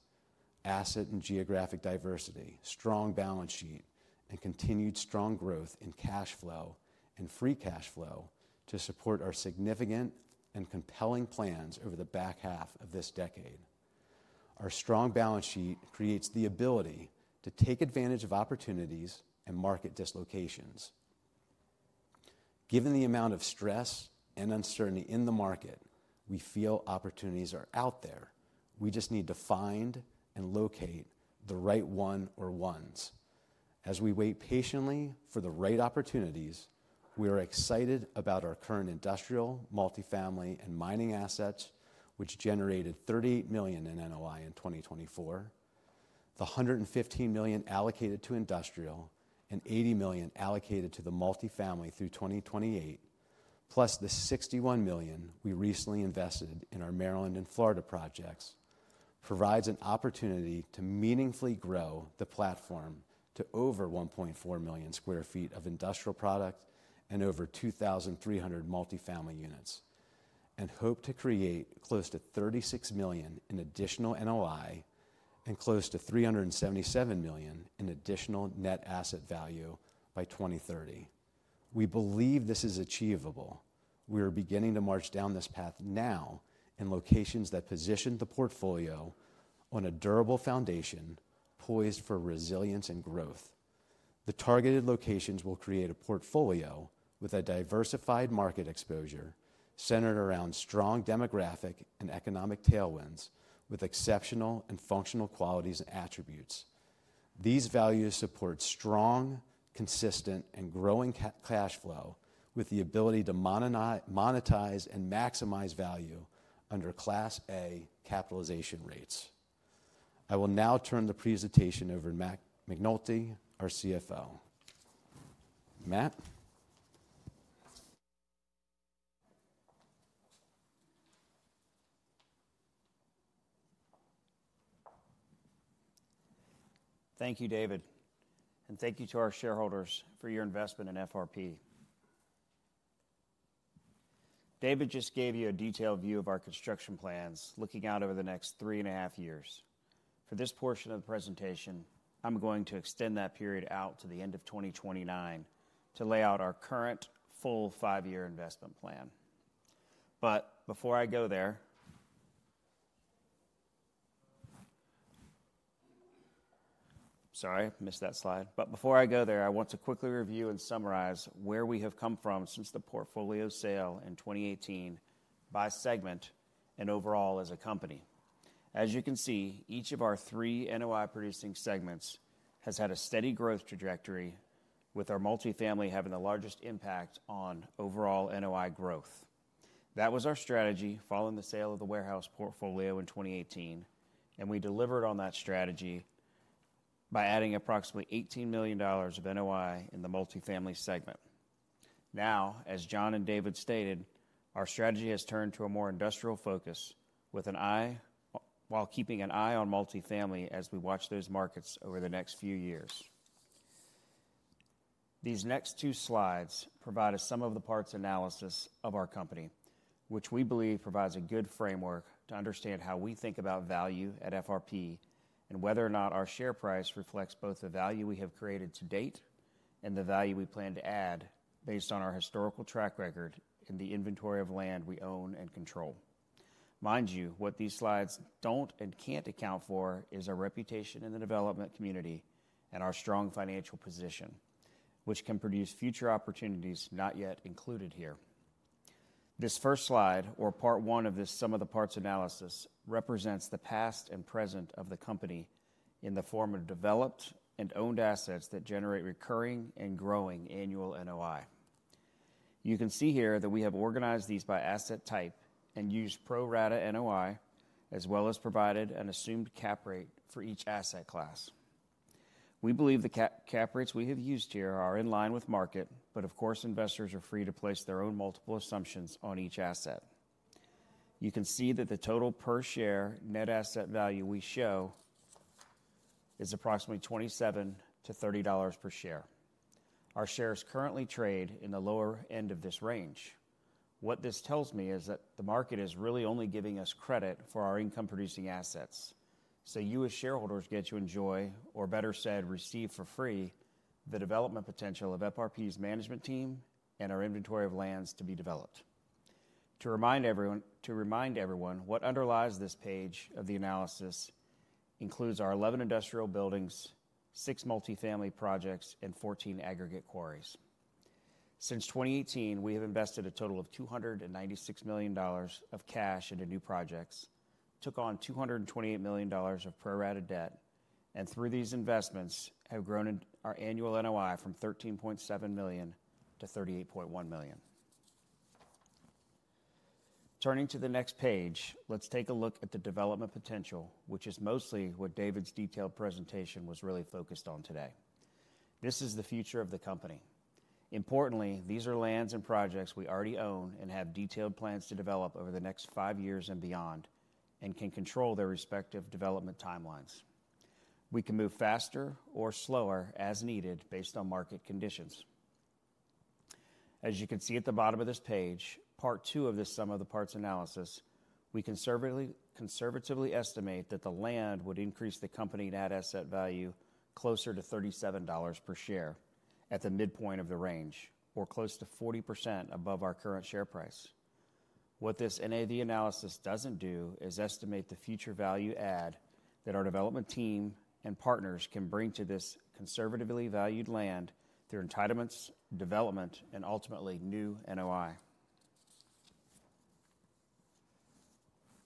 asset and geographic diversity, strong balance sheet, and continued strong growth in cash flow and free cash flow to support our significant and compelling plans over the back half of this decade. Our strong balance sheet creates the ability to take advantage of opportunities and market dislocations. Given the amount of stress and uncertainty in the market, we feel opportunities are out there. We just need to find and locate the right one or ones. As we wait patiently for the right opportunities, we are excited about our current industrial, multifamily, and mining assets, which generated $38 million in NOI in 2024. The $115 million allocated to industrial and $80 million allocated to the multifamily through 2028, plus the $61 million we recently invested in our Maryland and Florida projects, provides an opportunity to meaningfully grow the platform to over 1.4 million sq ft of industrial product and over 2,300 multifamily units, and hope to create close to $36 million in additional NOI and close to $377 million in additional net asset value by 2030. We believe this is achievable. We are beginning to march down this path now in locations that position the portfolio on a durable foundation poised for resilience and growth. The targeted locations will create a portfolio with a diversified market exposure centered around strong demographic and economic tailwinds with exceptional and functional qualities and attributes. These values support strong, consistent, and growing cash flow with the ability to monetize and maximize value under Class A capitalization rates. I will now turn the presentation over to Matt McNulty, our CFO. Matt. Thank you, David. And thank you to our shareholders for your investment in FRP. David just gave you a detailed view of our construction plans looking out over the next three and a half years. For this portion of the presentation, I'm going to extend that period out to the end of 2029 to lay out our current full five-year investment plan. Before I go there, sorry, I missed that slide. Before I go there, I want to quickly review and summarize where we have come from since the portfolio sale in 2018 by segment and overall as a company. As you can see, each of our three NOI producing segments has had a steady growth trajectory, with our multifamily having the largest impact on overall NOI growth. That was our strategy following the sale of the warehouse portfolio in 2018, and we delivered on that strategy by adding approximately $18 million of NOI in the multifamily segment. Now, as John and David stated, our strategy has turned to a more industrial focus while keeping an eye on multifamily as we watch those markets over the next few years. These next two slides provide us some of the parts analysis of our company, which we believe provides a good framework to understand how we think about value at FRP and whether or not our share price reflects both the value we have created to date and the value we plan to add based on our historical track record in the inventory of land we own and control. Mind you, what these slides do not and cannot account for is our reputation in the development community and our strong financial position, which can produce future opportunities not yet included here. This first slide, or part one of this some of the parts analysis, represents the past and present of the company in the form of developed and owned assets that generate recurring and growing annual NOI. You can see here that we have organized these by asset type and used pro rata NOI, as well as provided an assumed cap rate for each asset class. We believe the cap rates we have used here are in line with market, but of course, investors are free to place their own multiple assumptions on each asset. You can see that the total per share net asset value we show is approximately $27-$30 per share. Our shares currently trade in the lower end of this range. What this tells me is that the market is really only giving us credit for our income-producing assets. You, as shareholders, get to enjoy, or better said, receive for free the development potential of FRP's management team and our inventory of lands to be developed. To remind everyone what underlies this page of the analysis includes our 11 industrial buildings, 6 multifamily projects, and 14 aggregate quarries. Since 2018, we have invested a total of $296 million of cash into new projects, took on $228 million of pro rata debt, and through these investments have grown our annual NOI from $13.7 million to $38.1 million. Turning to the next page, let's take a look at the development potential, which is mostly what David's detailed presentation was really focused on today. This is the future of the company. Importantly, these are lands and projects we already own and have detailed plans to develop over the next five years and beyond and can control their respective development timelines. We can move faster or slower as needed based on market conditions. As you can see at the bottom of this page, part two of this some of the parts analysis, we conservatively estimate that the land would increase the company net asset value closer to $37 per share at the midpoint of the range, or close to 40% above our current share price. What this NAV analysis does not do is estimate the future value add that our development team and partners can bring to this conservatively valued land through entitlements, development, and ultimately new NOI.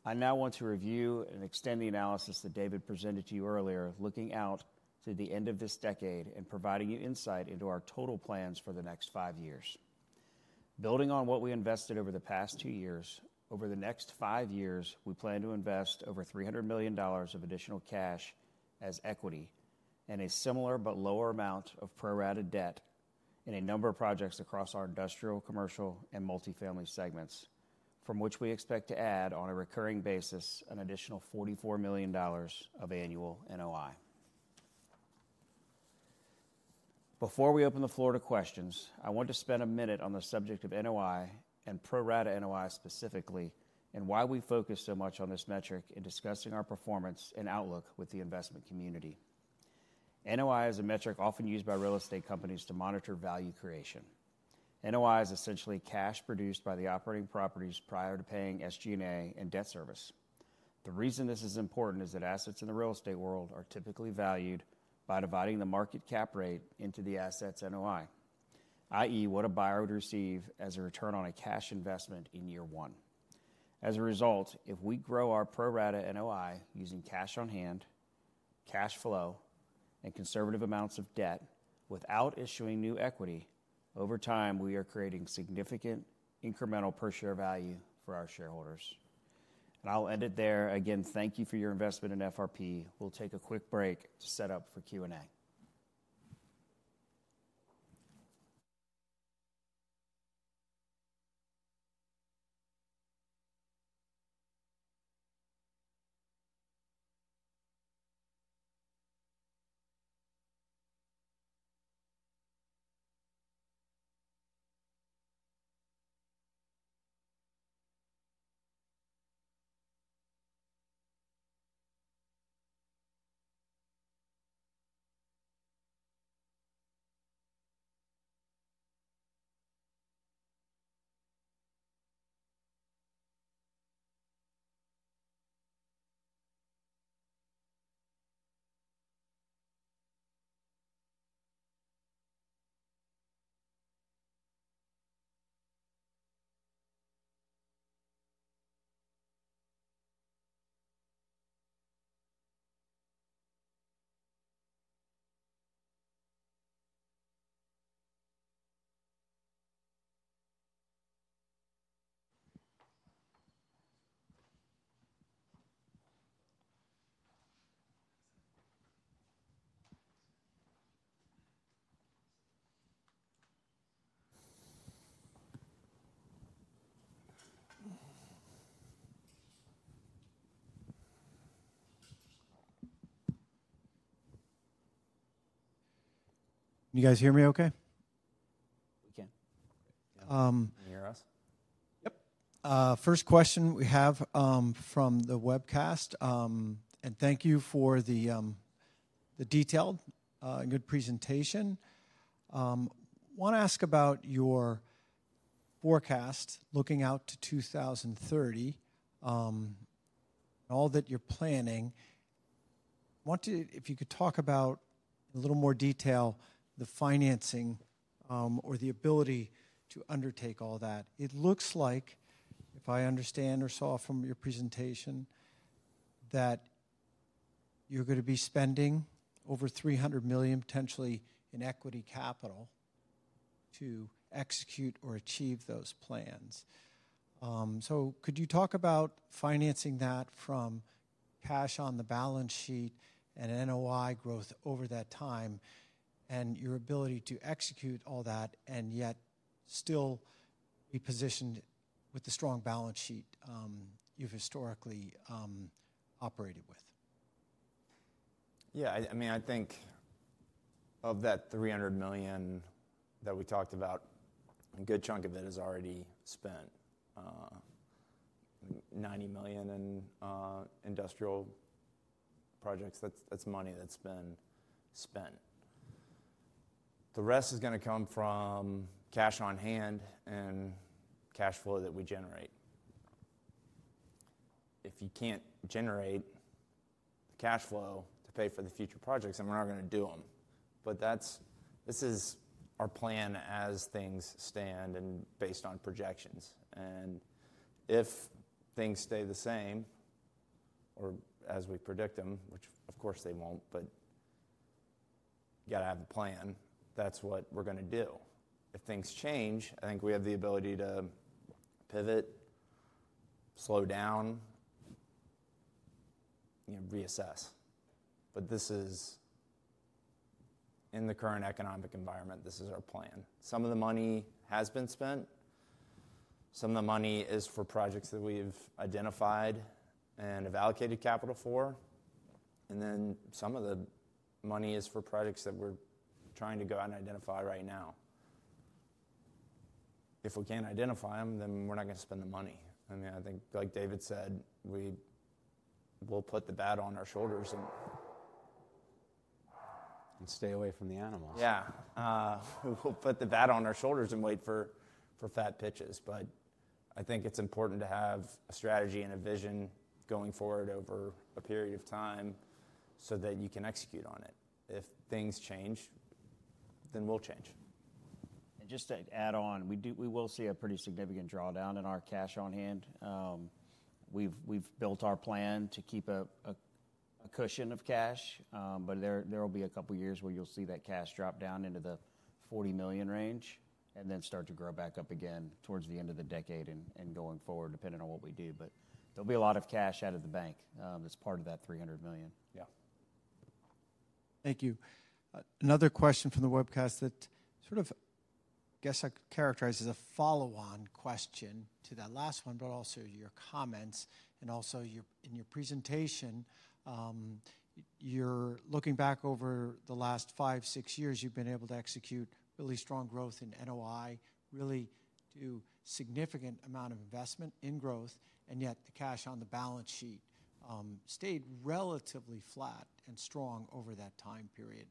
I now want to review and extend the analysis that David presented to you earlier, looking out to the end of this decade and providing you insight into our total plans for the next five years. Building on what we invested over the past two years, over the next five years, we plan to invest over $300 million of additional cash as equity and a similar but lower amount of pro rata debt in a number of projects across our industrial, commercial, and multifamily segments, from which we expect to add on a recurring basis an additional $44 million of annual NOI. Before we open the floor to questions, I want to spend a minute on the subject of NOI and pro rata NOI specifically and why we focus so much on this metric in discussing our performance and outlook with the investment community. NOI is a metric often used by real estate companies to monitor value creation. NOI is essentially cash produced by the operating properties prior to paying SG&A and debt service. The reason this is important is that assets in the real estate world are typically valued by dividing the market cap rate into the asset's NOI, i.e., what a buyer would receive as a return on a cash investment in year one. As a result, if we grow our pro rata NOI using cash on hand, cash flow, and conservative amounts of debt without issuing new equity, over time we are creating significant incremental per share value for our shareholders. I'll end it there. Again, thank you for your investment in FRP. We'll take a quick break to set up for Q&A. You guys hear me okay? We can. Can you hear us? Yep. First question we have from the webcast. Thank you for the detailed and good presentation. I want to ask about your forecast looking out to 2030, all that you're planning. I want you, if you could talk about in a little more detail the financing or the ability to undertake all that. It looks like, if I understand or saw from your presentation, that you're going to be spending over $300 million, potentially in equity capital, to execute or achieve those plans. So could you talk about financing that from cash on the balance sheet and NOI growth over that time and your ability to execute all that and yet still be positioned with the strong balance sheet you've historically operated with? Yeah. I mean, I think of that $300 million that we talked about, a good chunk of it is already spent. $90 million in industrial projects, that's money that's been spent. The rest is going to come from cash on hand and cash flow that we generate. If you can't generate the cash flow to pay for the future projects, then we're not going to do them. This is our plan as things stand and based on projections. If things stay the same or as we predict them, which of course they won't, but you got to have a plan, that's what we're going to do. If things change, I think we have the ability to pivot, slow down, reassess. In the current economic environment, this is our plan. Some of the money has been spent. Some of the money is for projects that we've identified and have allocated capital for. Some of the money is for projects that we're trying to go out and identify right now. If we can't identify them, then we're not going to spend the money. I mean, I think, like David said, we'll put the bat on our shoulders Stay away from the animals. Yeah. We'll put the bat on our shoulders and wait for fat pitches. I think it's important to have a strategy and a vision going forward over a period of time so that you can execute on it. If things change, then we'll change. Just to add on, we will see a pretty significant drawdown in our cash on hand. We've built our plan to keep a cushion of cash, but there will be a couple of years where you'll see that cash drop down into the $40 million range and then start to grow back up again towards the end of the decade and going forward, depending on what we do. There will be a lot of cash out of the bank that is part of that $300 million. Yeah. Thank you. Another question from the webcast that sort of, I guess I could characterize as a follow-on question to that last one, but also to your comments and also in your presentation. Looking back over the last five, six years, you have been able to execute really strong growth in NOI, really do a significant amount of investment in growth, and yet the cash on the balance sheet stayed relatively flat and strong over that time period.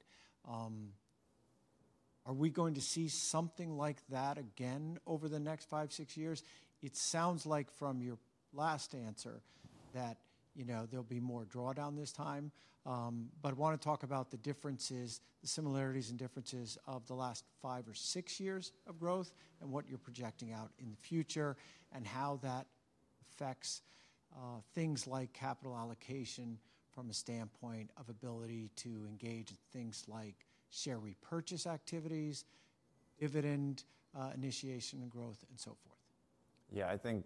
Are we going to see something like that again over the next five, six years? It sounds like from your last answer that there will be more drawdown this time. I want to talk about the differences, the similarities and differences of the last five or six years of growth and what you're projecting out in the future and how that affects things like capital allocation from a standpoint of ability to engage in things like share repurchase activities, dividend initiation and growth, and so forth. Yeah. I think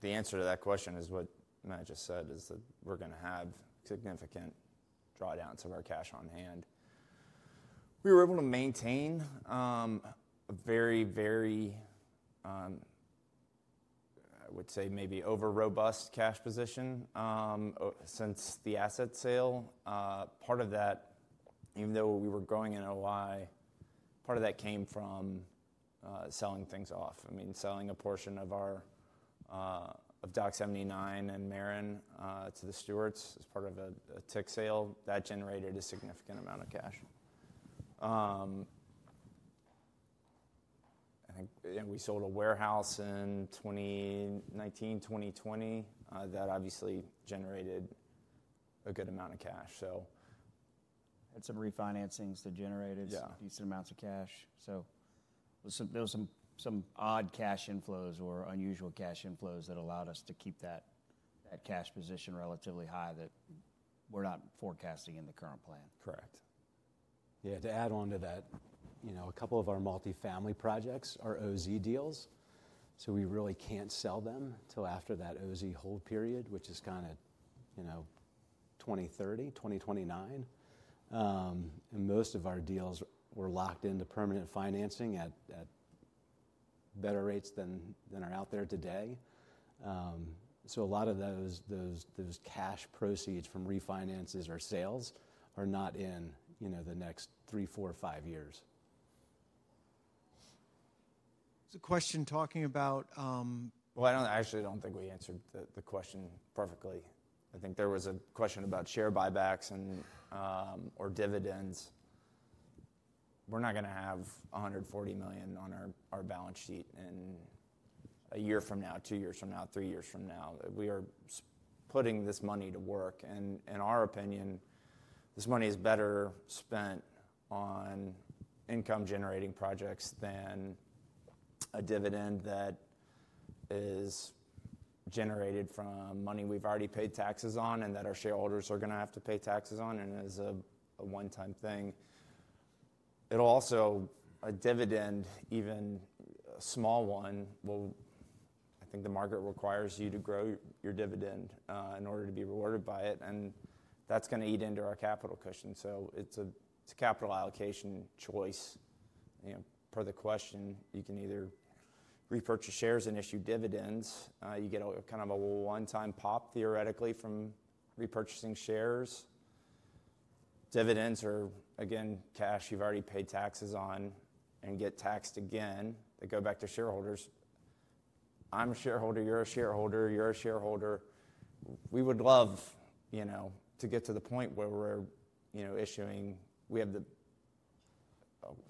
the answer to that question is what Matt just said, is that we're going to have significant drawdowns of our cash on hand. We were able to maintain a very, very, I would say maybe over-robust cash position since the asset sale. Part of that, even though we were growing in NOI, part of that came from selling things off. I mean, selling a portion of our DOCK 79 and Marin to the Stewarts as part of a tick sale, that generated a significant amount of cash. I think we sold a warehouse in 2019, 2020 that obviously generated a good amount of cash. Had some re-financings that generated some decent amounts of cash. There were some odd cash inflows or unusual cash inflows that allowed us to keep that cash position relatively high that we're not forecasting in the current plan. Correct. Yeah. To add on to that, a couple of our multifamily projects are OZ deals. We really can't sell them until after that OZ hold period, which is kind of 2030, 2029. Most of our deals were locked into permanent financing at better rates than are out there today. A lot of those cash proceeds from refinances or sales are not in the next three, four, five years. There's a question talking about. I actually don't think we answered the question perfectly. I think there was a question about share buybacks or dividends. We're not going to have $140 million on our balance sheet in a year from now, two years from now, three years from now. We are putting this money to work. In our opinion, this money is better spent on income-generating projects than a dividend that is generated from money we've already paid taxes on and that our shareholders are going to have to pay taxes on and is a one-time thing. Also, a dividend, even a small one, will, I think the market requires you to grow your dividend in order to be rewarded by it. That's going to eat into our capital cushion. It is a capital allocation choice. Per the question, you can either repurchase shares and issue dividends. You get kind of a one-time pop theoretically from repurchasing shares. Dividends are, again, cash you've already paid taxes on and get taxed again that go back to shareholders. I'm a shareholder, you're a shareholder, you're a shareholder. We would love to get to the point where we're issuing, we have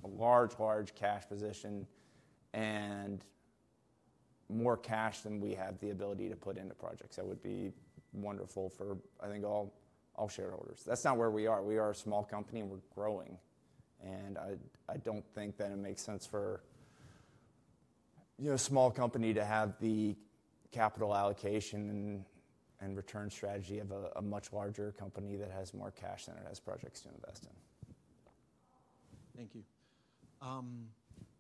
a large, large cash position and more cash than we have the ability to put into projects. That would be wonderful for, I think, all shareholders. That's not where we are. We are a small company and we're growing. I don't think that it makes sense for a small company to have the capital allocation and return strategy of a much larger company that has more cash than it has projects to invest in. Thank you.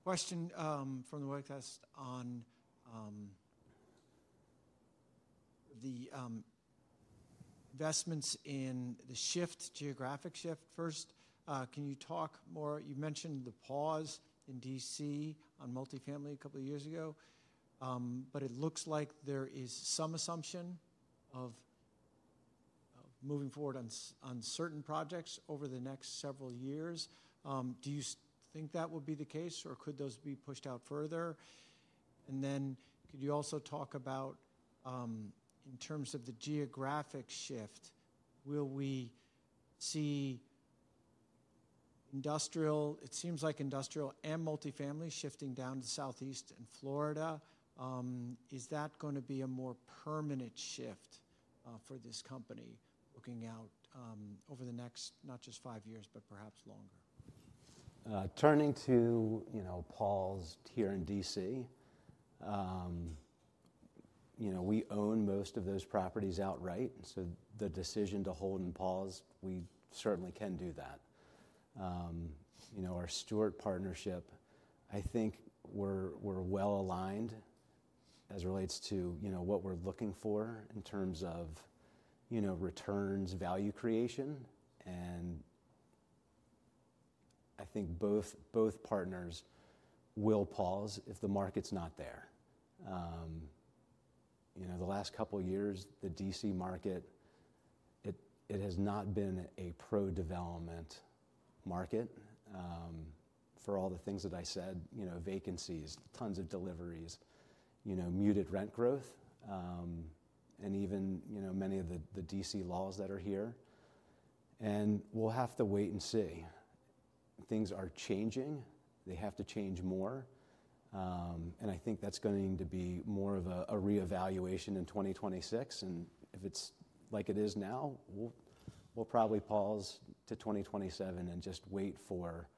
Question from the webcast on the investments in the shift, geographic shift. First, can you talk more? You mentioned the pause in D.C. on multifamily a couple of years ago. It looks like there is some assumption of moving forward on certain projects over the next several years. Do you think that would be the case or could those be pushed out further? Could you also talk about, in terms of the geographic shift, will we see industrial, it seems like industrial and multifamily shifting down to southeast in Florida? Is that going to be a more permanent shift for this company looking out over the next not just five years, but perhaps longer? Turning to Paul's here in D.C., we own most of those properties outright. The decision to hold and pause, we certainly can do that. Our Stewart partnership, I think we're well aligned as it relates to what we're looking for in terms of returns, value creation. I think both partners will pause if the market's not there. The last couple of years, the D.C. market, it has not been a pro-development market for all the things that I said, vacancies, tons of deliveries, muted rent growth, and even many of the D.C. laws that are here. We'll have to wait and see. Things are changing. They have to change more. I think that's going to need to be more of a reevaluation in 2026. If it's like it is now, we'll probably pause to 2027 and just wait for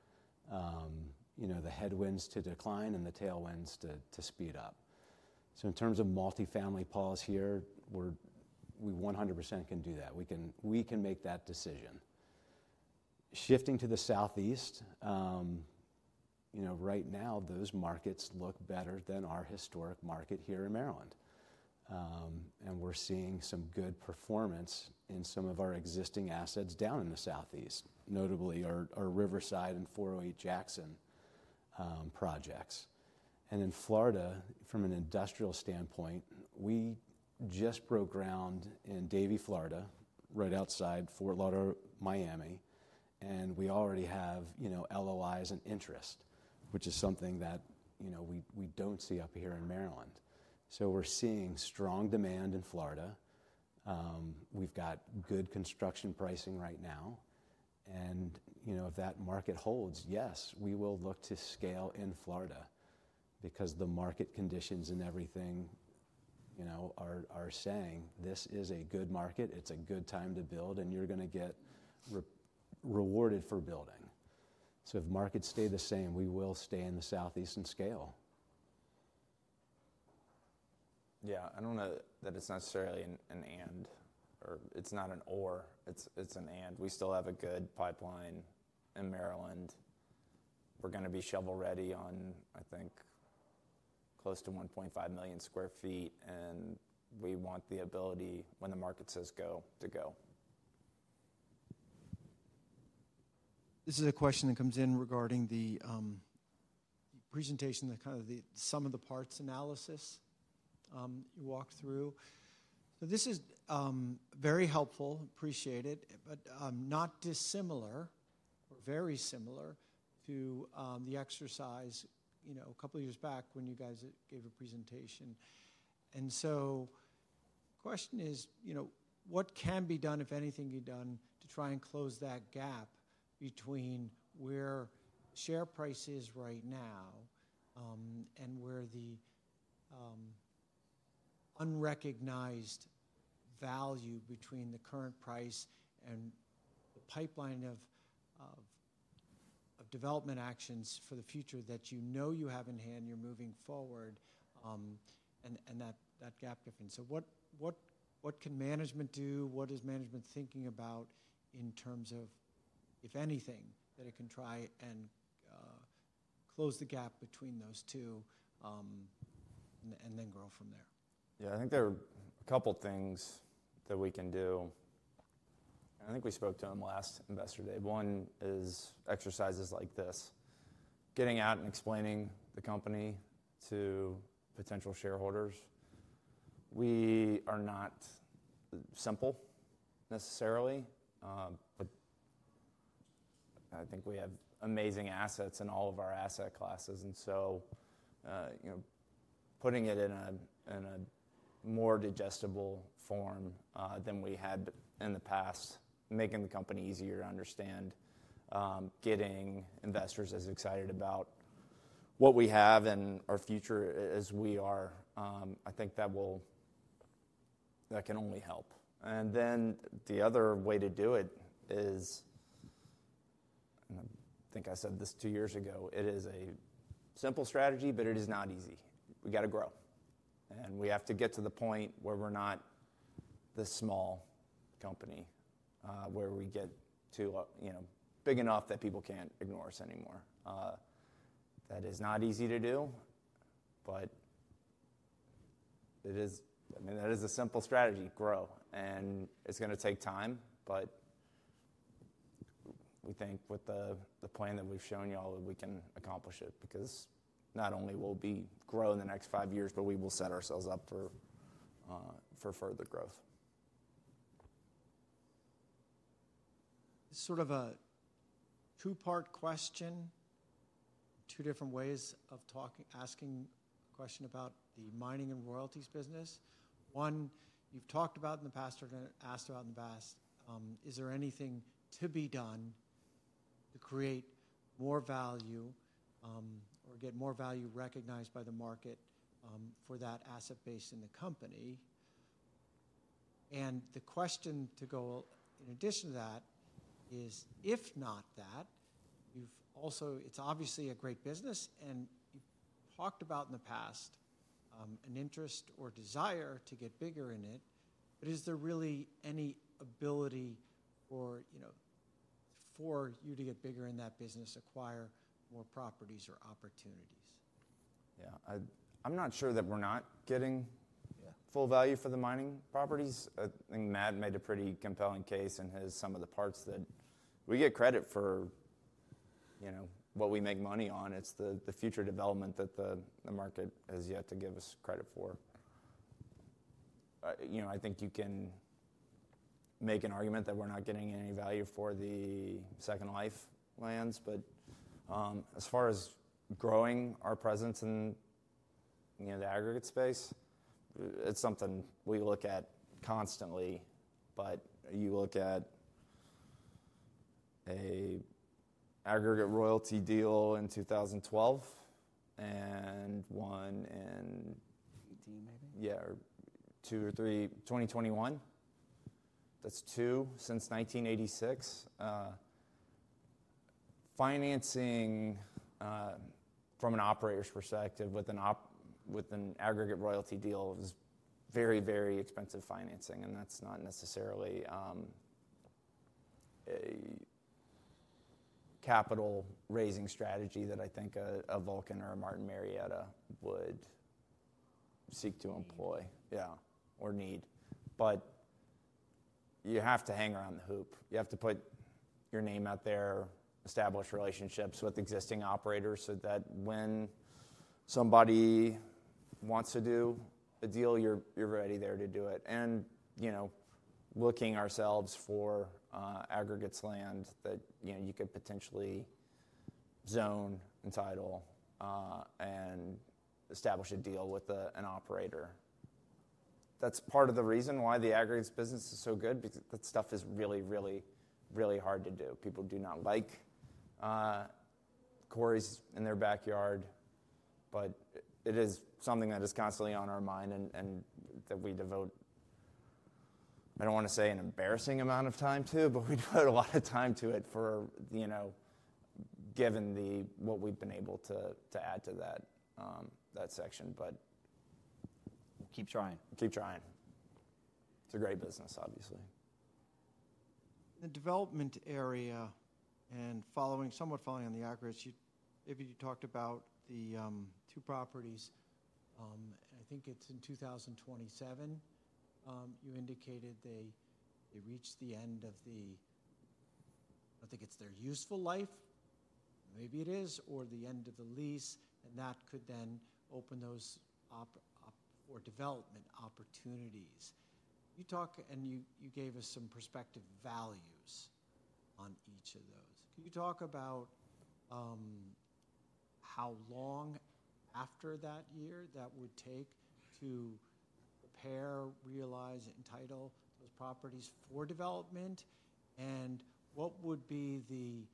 the headwinds to decline and the tailwinds to speed up. In terms of multifamily pause here, we 100% can do that. We can make that decision. Shifting to the southeast, right now, those markets look better than our historic market here in Maryland. We're seeing some good performance in some of our existing assets down in the southeast, notably our Riverside and 408 Jackson projects. In Florida, from an industrial standpoint, we just broke ground in Davie, Florida, right outside Fort Lauderdale, Miami. We already have LOIs and interest, which is something that we don't see up here in Maryland. We're seeing strong demand in Florida. We've got good construction pricing right now. If that market holds, yes, we will look to scale in Florida because the market conditions and everything are saying, "This is a good market. It's a good time to build, and you're going to get rewarded for building." If markets stay the same, we will stay in the southeast and scale. Yeah. I don't know that it's necessarily an and or it's not an ore. It's an and. We still have a good pipeline in Maryland. We're going to be shovel ready on, I think, close to 1.5 million sq ft. We want the ability, when the market says go, to go. This is a question that comes in regarding the presentation, kind of the sum of the parts analysis you walked through. This is very helpful, appreciated, but not dissimilar or very similar to the exercise a couple of years back when you guys gave a presentation. The question is, what can be done, if anything could be done, to try and close that gap between where share price is right now and where the unrecognized value between the current price and the pipeline of development actions for the future that you know you have in hand, you're moving forward, and that gap difference. What can management do? What is management thinking about in terms of, if anything, that it can try and close the gap between those two and then grow from there? Yeah. I think there are a couple of things that we can do. I think we spoke to them last investor day. One is exercises like this, getting out and explaining the company to potential shareholders. We are not simple necessarily, but I think we have amazing assets in all of our asset classes. Putting it in a more digestible form than we had in the past, making the company easier to understand, getting investors as excited about what we have and our future as we are, I think that can only help. The other way to do it is, and I think I said this two years ago, it is a simple strategy, but it is not easy. We got to grow. We have to get to the point where we're not the small company, where we get to big enough that people can't ignore us anymore. That is not easy to do, but it is, I mean, that is a simple strategy, grow. It's going to take time, but we think with the plan that we've shown y'all, we can accomplish it because not only will we grow in the next five years, but we will set ourselves up for further growth. This is sort of a two-part question, two different ways of asking a question about the mining and royalties business. One, you've talked about in the past or asked about in the past, is there anything to be done to create more value or get more value recognized by the market for that asset base in the company? The question to go in addition to that is, if not that, it's obviously a great business, and you've talked about in the past an interest or desire to get bigger in it, but is there really any ability for you to get bigger in that business, acquire more properties or opportunities? Yeah. I'm not sure that we're not getting full value for the mining properties. I think Matt made a pretty compelling case in his sum of the parts that we get credit for what we make money on. It's the future development that the market has yet to give us credit for. I think you can make an argument that we're not getting any value for the second life lands. As far as growing our presence in the aggregate space, it's something we look at constantly. You look at an aggregate royalty deal in 2012 and one in 2018 maybe? Yeah. Or two or three 2021, that's two since 1986. Financing from an operator's perspective with an aggregate royalty deal is very, very expensive financing. That's not necessarily a capital-raising strategy that I think a Vulcan or Martin Marietta would seek to employ, yeah, or need. You have to hang around the hoop. You have to put your name out there, establish relationships with existing operators so that when somebody wants to do a deal, you're ready there to do it. Looking ourselves for aggregates land that you could potentially zone and title and establish a deal with an operator, that's part of the reason why the aggregates business is so good because that stuff is really, really, really hard to do. People do not like quarries in their backyard, but it is something that is constantly on our mind and that we devote, I do not want to say an embarrassing amount of time to, but we devote a lot of time to it given what we have been able to add to that section. Keep trying. Keep trying. It is a great business, obviously. In the development area and somewhat following on the aggregates, if you talked about the two properties, I think it is in 2027, you indicated they reached the end of the, I think it is their useful life, maybe it is, or the end of the lease, and that could then open those up for development opportunities. You talked and you gave us some perspective values on each of those. Can you talk about how long after that year that would take to prepare, realize, and title those properties for development? What would be the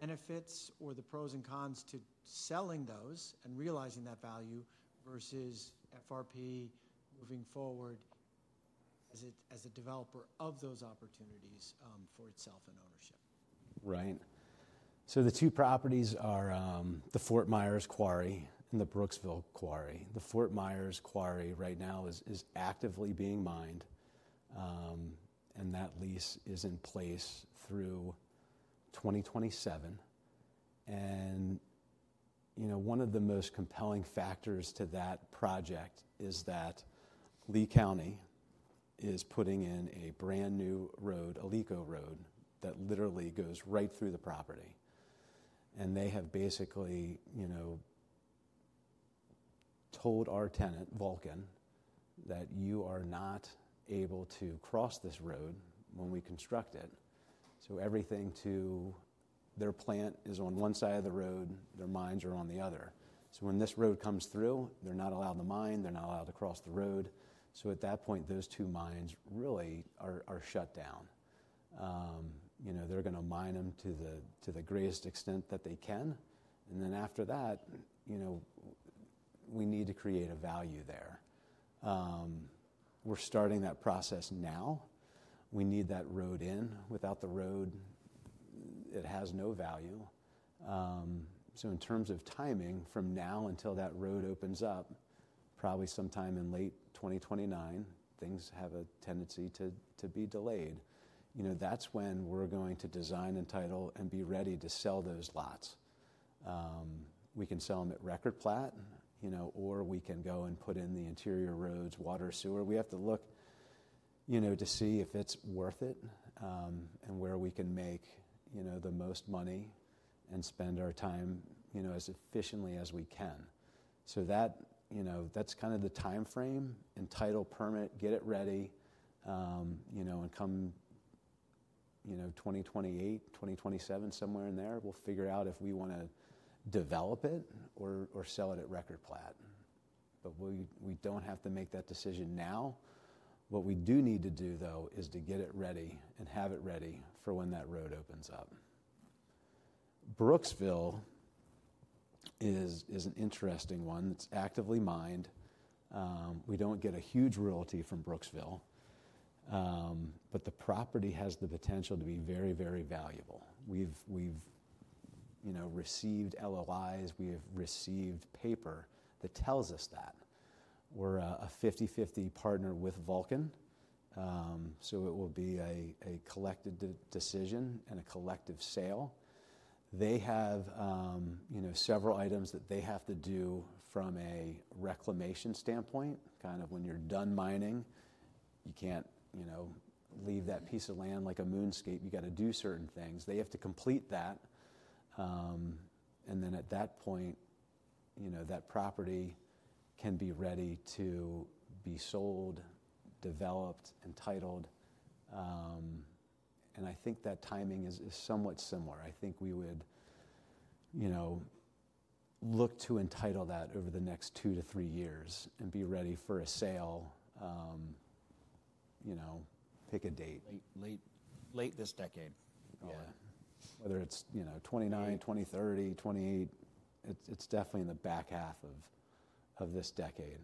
benefits or the pros and cons to selling those and realizing that value versus FRP moving forward as a developer of those opportunities for itself and ownership? Right. The two properties are the Fort Myers Quarry and the Brooksville Quarry. The Fort Myers Quarry right now is actively being mined, and that lease is in place through 2027. One of the most compelling factors to that project is that Lee County is putting in a brand new road, Alico Road that literally goes right through the property. They have basically told our tenant, Vulcan, that you are not able to cross this road when we construct it. Everything to their plant is on one side of the road. Their mines are on the other. When this road comes through, they're not allowed to mine. They're not allowed to cross the road. At that point, those two mines really are shut down. They're going to mine them to the greatest extent that they can. After that, we need to create a value there. We're starting that process now. We need that road in. Without the road, it has no value. In terms of timing, from now until that road opens up, probably sometime in late 2029, things have a tendency to be delayed. That's when we're going to design and title and be ready to sell those lots. We can sell them at record plat, or we can go and put in the interior roads, water, sewer. We have to look to see if it's worth it and where we can make the most money and spend our time as efficiently as we can. That's kind of the timeframe. Entitle, permit, get it ready, and come 2028, 2027, somewhere in there, we'll figure out if we want to develop it or sell it at record plat. We don't have to make that decision now. What we do need to do, though, is to get it ready and have it ready for when that road opens up. Brooksville is an interesting one. It's actively mined. We don't get a huge royalty from Brooksville, but the property has the potential to be very, very valuable. We've received LOIs. We have received paper that tells us that. We're a 50/50 partner with Vulcan, so it will be a collective decision and a collective sale. They have several items that they have to do from a reclamation standpoint. Kind of when you're done mining, you can't leave that piece of land like a moonscape. You got to do certain things. They have to complete that. At that point, that property can be ready to be sold, developed, and titled. I think that timing is somewhat similar. I think we would look to entitle that over the next two to three years and be ready for a sale, pick a date. Late this decade. Yeah. Whether it's 2029, 2030, 2028, it's definitely in the back half of this decade.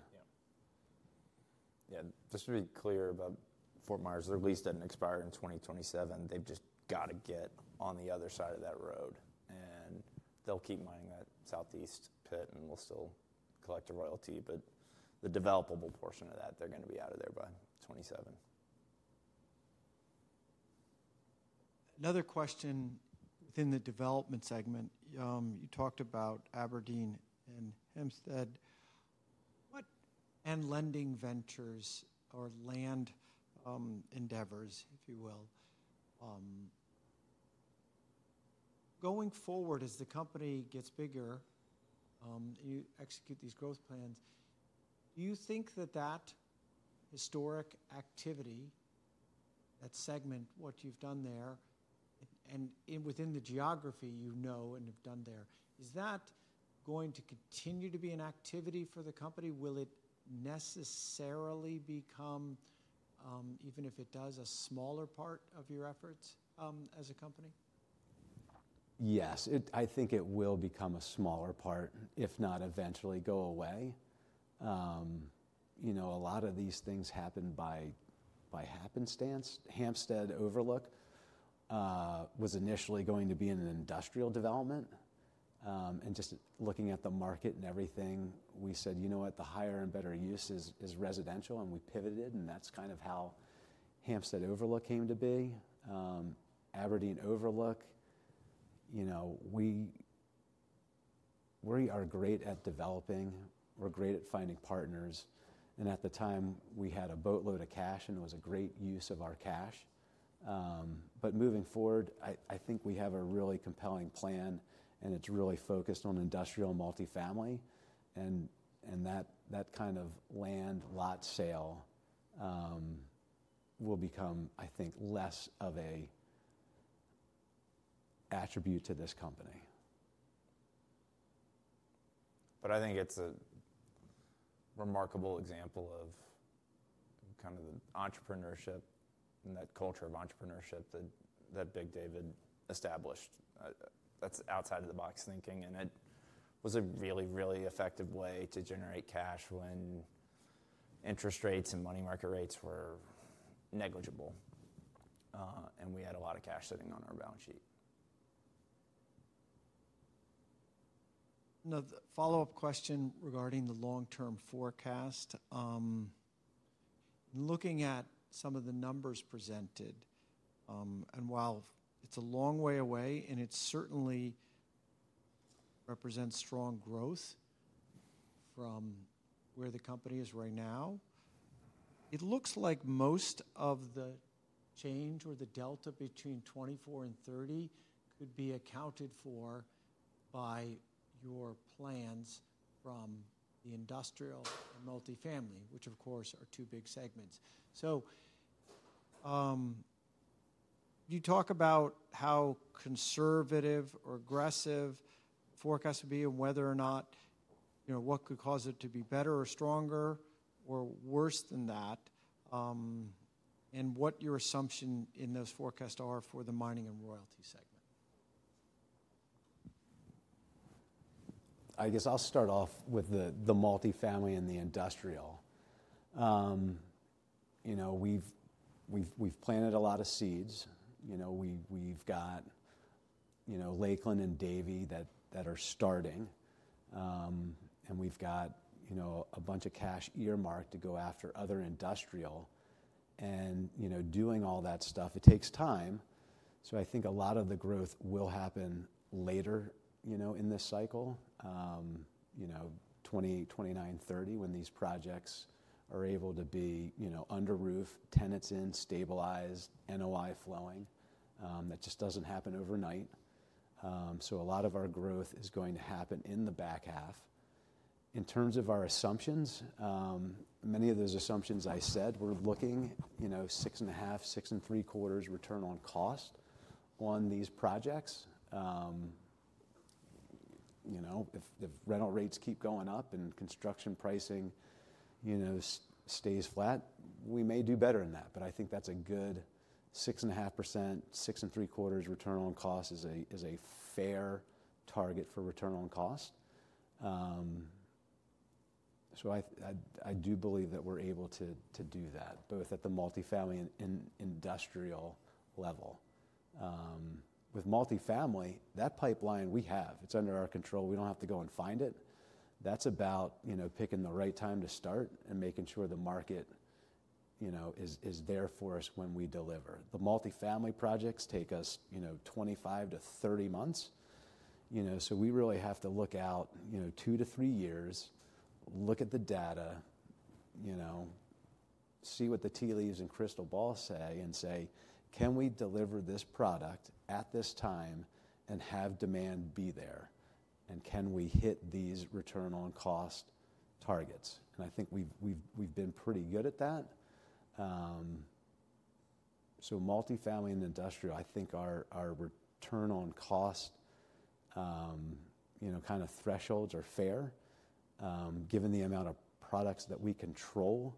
Yeah. Yeah. Just to be clear about Fort Myers, their lease doesn't expire in 2027. They've just got to get on the other side of that road. They'll keep mining that southeast pit and will still collect a royalty. But the developable portion of that, they're going to be out of there by 2027. Another question within the development segment. You talked about Aberdeen and Hampstead. What land lending ventures or land endeavors, if you will, going forward as the company gets bigger, you execute these growth plans, do you think that that historic activity, that segment, what you've done there and within the geography you know and have done there, is that going to continue to be an activity for the company? Will it necessarily become, even if it does, a smaller part of your efforts as a company? Yes. I think it will become a smaller part, if not eventually go away. A lot of these things happen by happenstance. Hampstead Overlook was initially going to be an industrial development. And just looking at the market and everything, we said, "You know what? The higher and better use is residential. We pivoted. That is kind of how Hampstead Overlook came to be. Aberdeen Overlook, we are great at developing. We are great at finding partners. At the time, we had a boatload of cash, and it was a great use of our cash. Moving forward, I think we have a really compelling plan, and it is really focused on industrial multifamily. That kind of land lot sale will become, I think, less of an attribute to this company. I think it is a remarkable example of the entrepreneurship and that culture of entrepreneurship that Big David established. That is outside of the box thinking. It was a really, really effective way to generate cash when interest rates and money market rates were negligible. We had a lot of cash sitting on our balance sheet. Another follow-up question regarding the long-term forecast. Looking at some of the numbers presented, and while it is a long way away and it certainly represents strong growth from where the company is right now, it looks like most of the change or the delta between 2024 and 2030 could be accounted for by your plans from the industrial and multifamily, which, of course, are two big segments. Could you talk about how conservative or aggressive the forecast would be and whether or not what could cause it to be better or stronger or worse than that and what your assumption in those forecasts are for the mining and royalty segment. I guess I will start off with the multifamily and the industrial. We have planted a lot of seeds. We have got Lakeland and Davie that are starting. We have got a bunch of cash earmarked to go after other industrial. Doing all that stuff, it takes time. I think a lot of the growth will happen later in this cycle, 2029, 2030, when these projects are able to be under roof, tenants in, stabilized, NOI flowing. That just does not happen overnight. A lot of our growth is going to happen in the back half. In terms of our assumptions, many of those assumptions I said, we are looking 6.5%-6.75% return on cost on these projects. If rental rates keep going up and construction pricing stays flat, we may do better than that. I think that is a good 6.5%, 6.75% return on cost is a fair target for return on cost. I do believe that we are able to do that, both at the multifamily and industrial level. With multifamily, that pipeline we have. It's under our control. We don't have to go and find it. That's about picking the right time to start and making sure the market is there for us when we deliver. The multifamily projects take us 25-30 months. We really have to look out two to three years, look at the data, see what the tea leaves and crystal balls say, and say, "Can we deliver this product at this time and have demand be there? And can we hit these return on cost targets?" I think we've been pretty good at that. Multifamily and industrial, I think our return on cost kind of thresholds are fair given the amount of products that we control.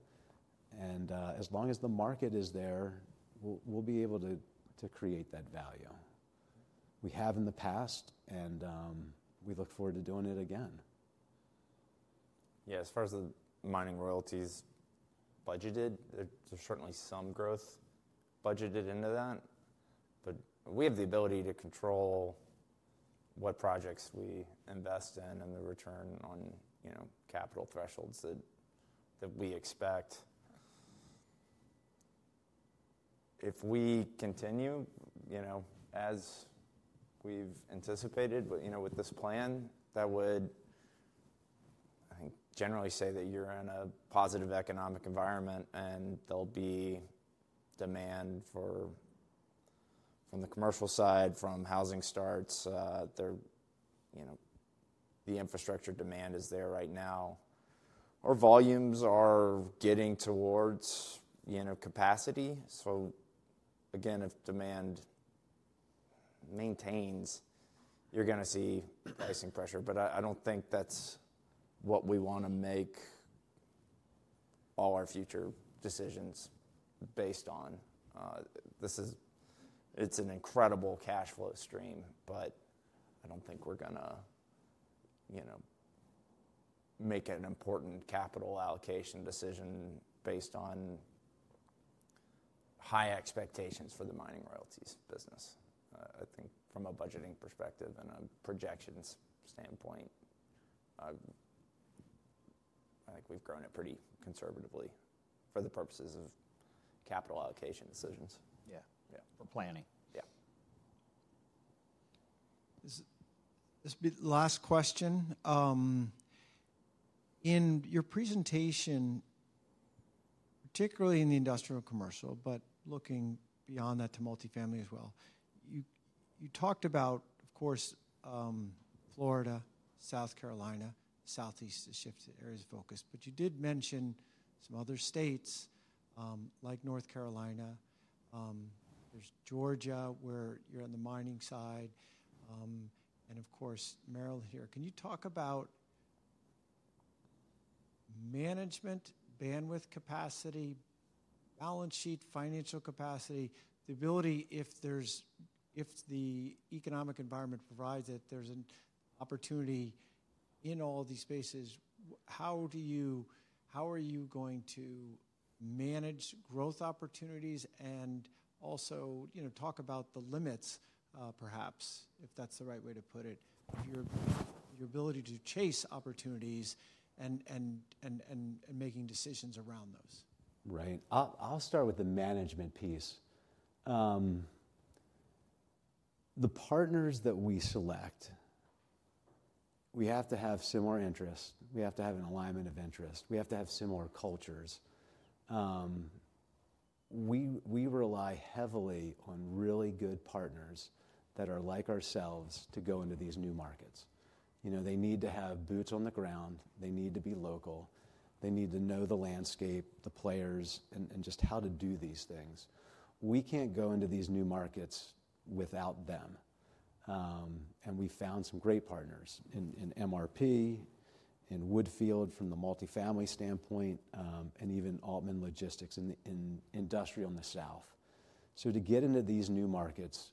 As long as the market is there, we'll be able to create that value. We have in the past, and we look forward to doing it again. Yeah. As far as the mining royalties budgeted, there's certainly some growth budgeted into that. But we have the ability to control what projects we invest in and the return on capital thresholds that we expect. If we continue as we've anticipated with this plan, that would, I think, generally say that you're in a positive economic environment and there'll be demand from the commercial side, from housing starts. The infrastructure demand is there right now. Our volumes are getting towards capacity. Again, if demand maintains, you're going to see pricing pressure. I don't think that's what we want to make all our future decisions based on. It's an incredible cash flow stream, but I don't think we're going to make an important capital allocation decision based on high expectations for the mining royalties business. I think from a budgeting perspective and a projection standpoint, I think we've grown it pretty conservatively for the purposes of capital allocation decisions for planning. Yeah. This last question. In your presentation, particularly in the industrial and commercial, but looking beyond that to multifamily as well, you talked about, of course, Florida, South Carolina, southeast has shifted areas of focus. You did mention some other states like North Carolina. There's Georgia where you're on the mining side. And of course, Maryland here. Can you talk about management, bandwidth capacity, balance sheet, financial capacity, the ability if the economic environment provides that there's an opportunity in all these spaces? How are you going to manage growth opportunities and also talk about the limits, perhaps, if that's the right way to put it, your ability to chase opportunities and making decisions around those? Right. I'll start with the management piece. The partners that we select, we have to have similar interests. We have to have an alignment of interests. We have to have similar cultures. We rely heavily on really good partners that are like ourselves to go into these new markets. They need to have boots on the ground. They need to be local. They need to know the landscape, the players, and just how to do these things. We can't go into these new markets without them. We found some great partners in MRP, in Woodfield from the multifamily standpoint, and even Altman Logistics in industrial in the south. To get into these new markets,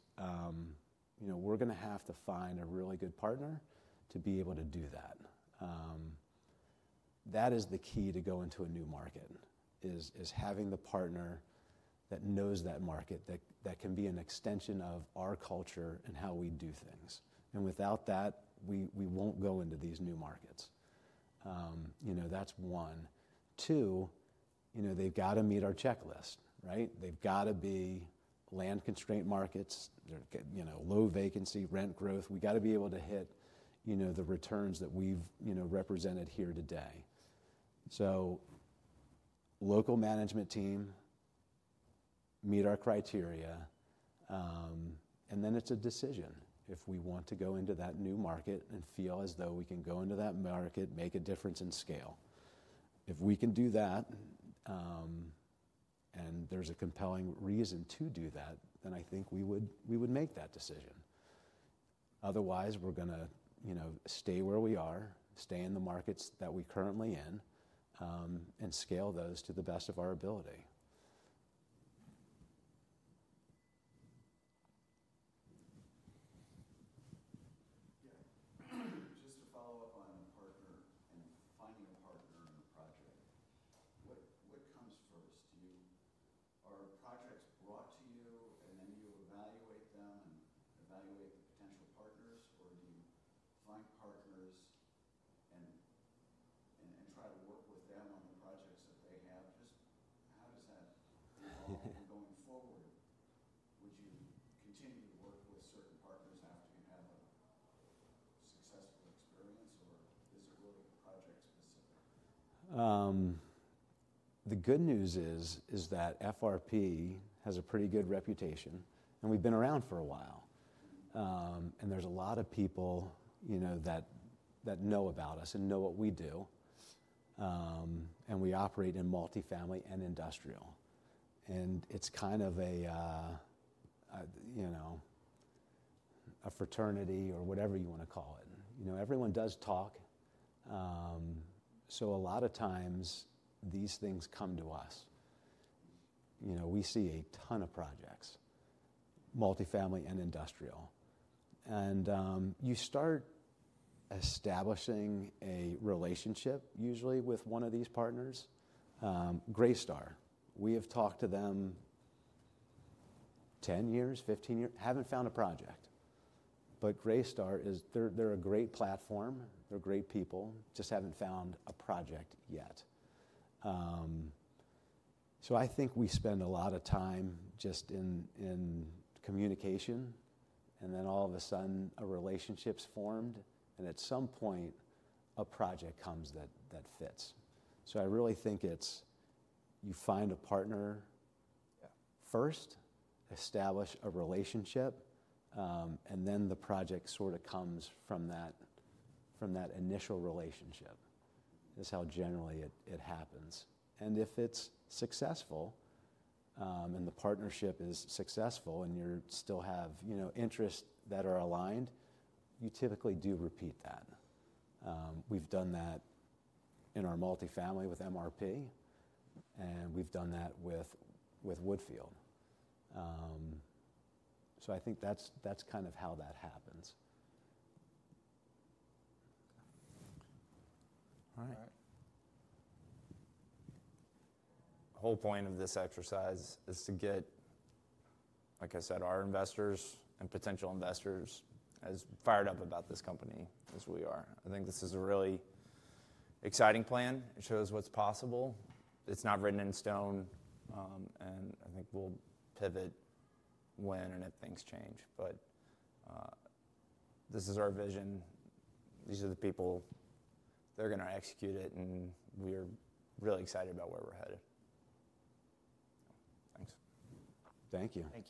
we're going to have to find a really good partner to be able to do that. That is the key to go into a new market, is having the partner that knows that market that can be an extension of our culture and how we do things. Without that, we will not go into these new markets. That is one. Two, they have got to meet our checklist, right? They have got to be land-constrained markets, low vacancy, rent growth. We have got to be able to hit the returns that we have represented here today. Local management team meet our criteria. It is a decision if we want to go into that new market and feel as though we can go into that market, make a difference in scale. If we can do that, and there is a compelling reason to do that, then I think we would make that decision. Otherwise, we're going to stay where we are, stay in the markets that we're currently in, and scale those to the best of our ability. Yeah. Just to follow up on the partner and finding a partner in the project, what comes first? Are projects brought to you, and then you evaluate them and evaluate the potential partners, or do you find partners and try to work with them on the projects that they have? Just how does that evolve? Going forward, would you continue to work with certain partners after you have a successful experience, or is it really project-specific? The good news is that FRP has a pretty good reputation, and we've been around for a while. There are a lot of people that know about us and know what we do. We operate in multifamily and industrial. It's kind of a fraternity or whatever you want to call it. Everyone does talk. A lot of times, these things come to us. We see a ton of projects, multifamily and industrial. You start establishing a relationship usually with one of these partners, Graystar. We have talked to them 10 years, 15 years, haven't found a project. Graystar, they're a great platform. They're great people. Just haven't found a project yet. I think we spend a lot of time just in communication. All of a sudden, a relationship's formed. At some point, a project comes that fits. I really think you find a partner first, establish a relationship, and then the project sort of comes from that initial relationship. That's how generally it happens. If it's successful, and the partnership is successful, and you still have interests that are aligned, you typically do repeat that. We've done that in our multifamily with MRP, and we've done that with Woodfield. I think that's kind of how that happens. All right. The whole point of this exercise is to get, like I said, our investors and potential investors as fired up about this company as we are. I think this is a really exciting plan. It shows what's possible. It's not written in stone. I think we'll pivot when and if things change. This is our vision. These are the people. They're going to execute it, and we are really excited about where we're headed. Thanks. Thank you.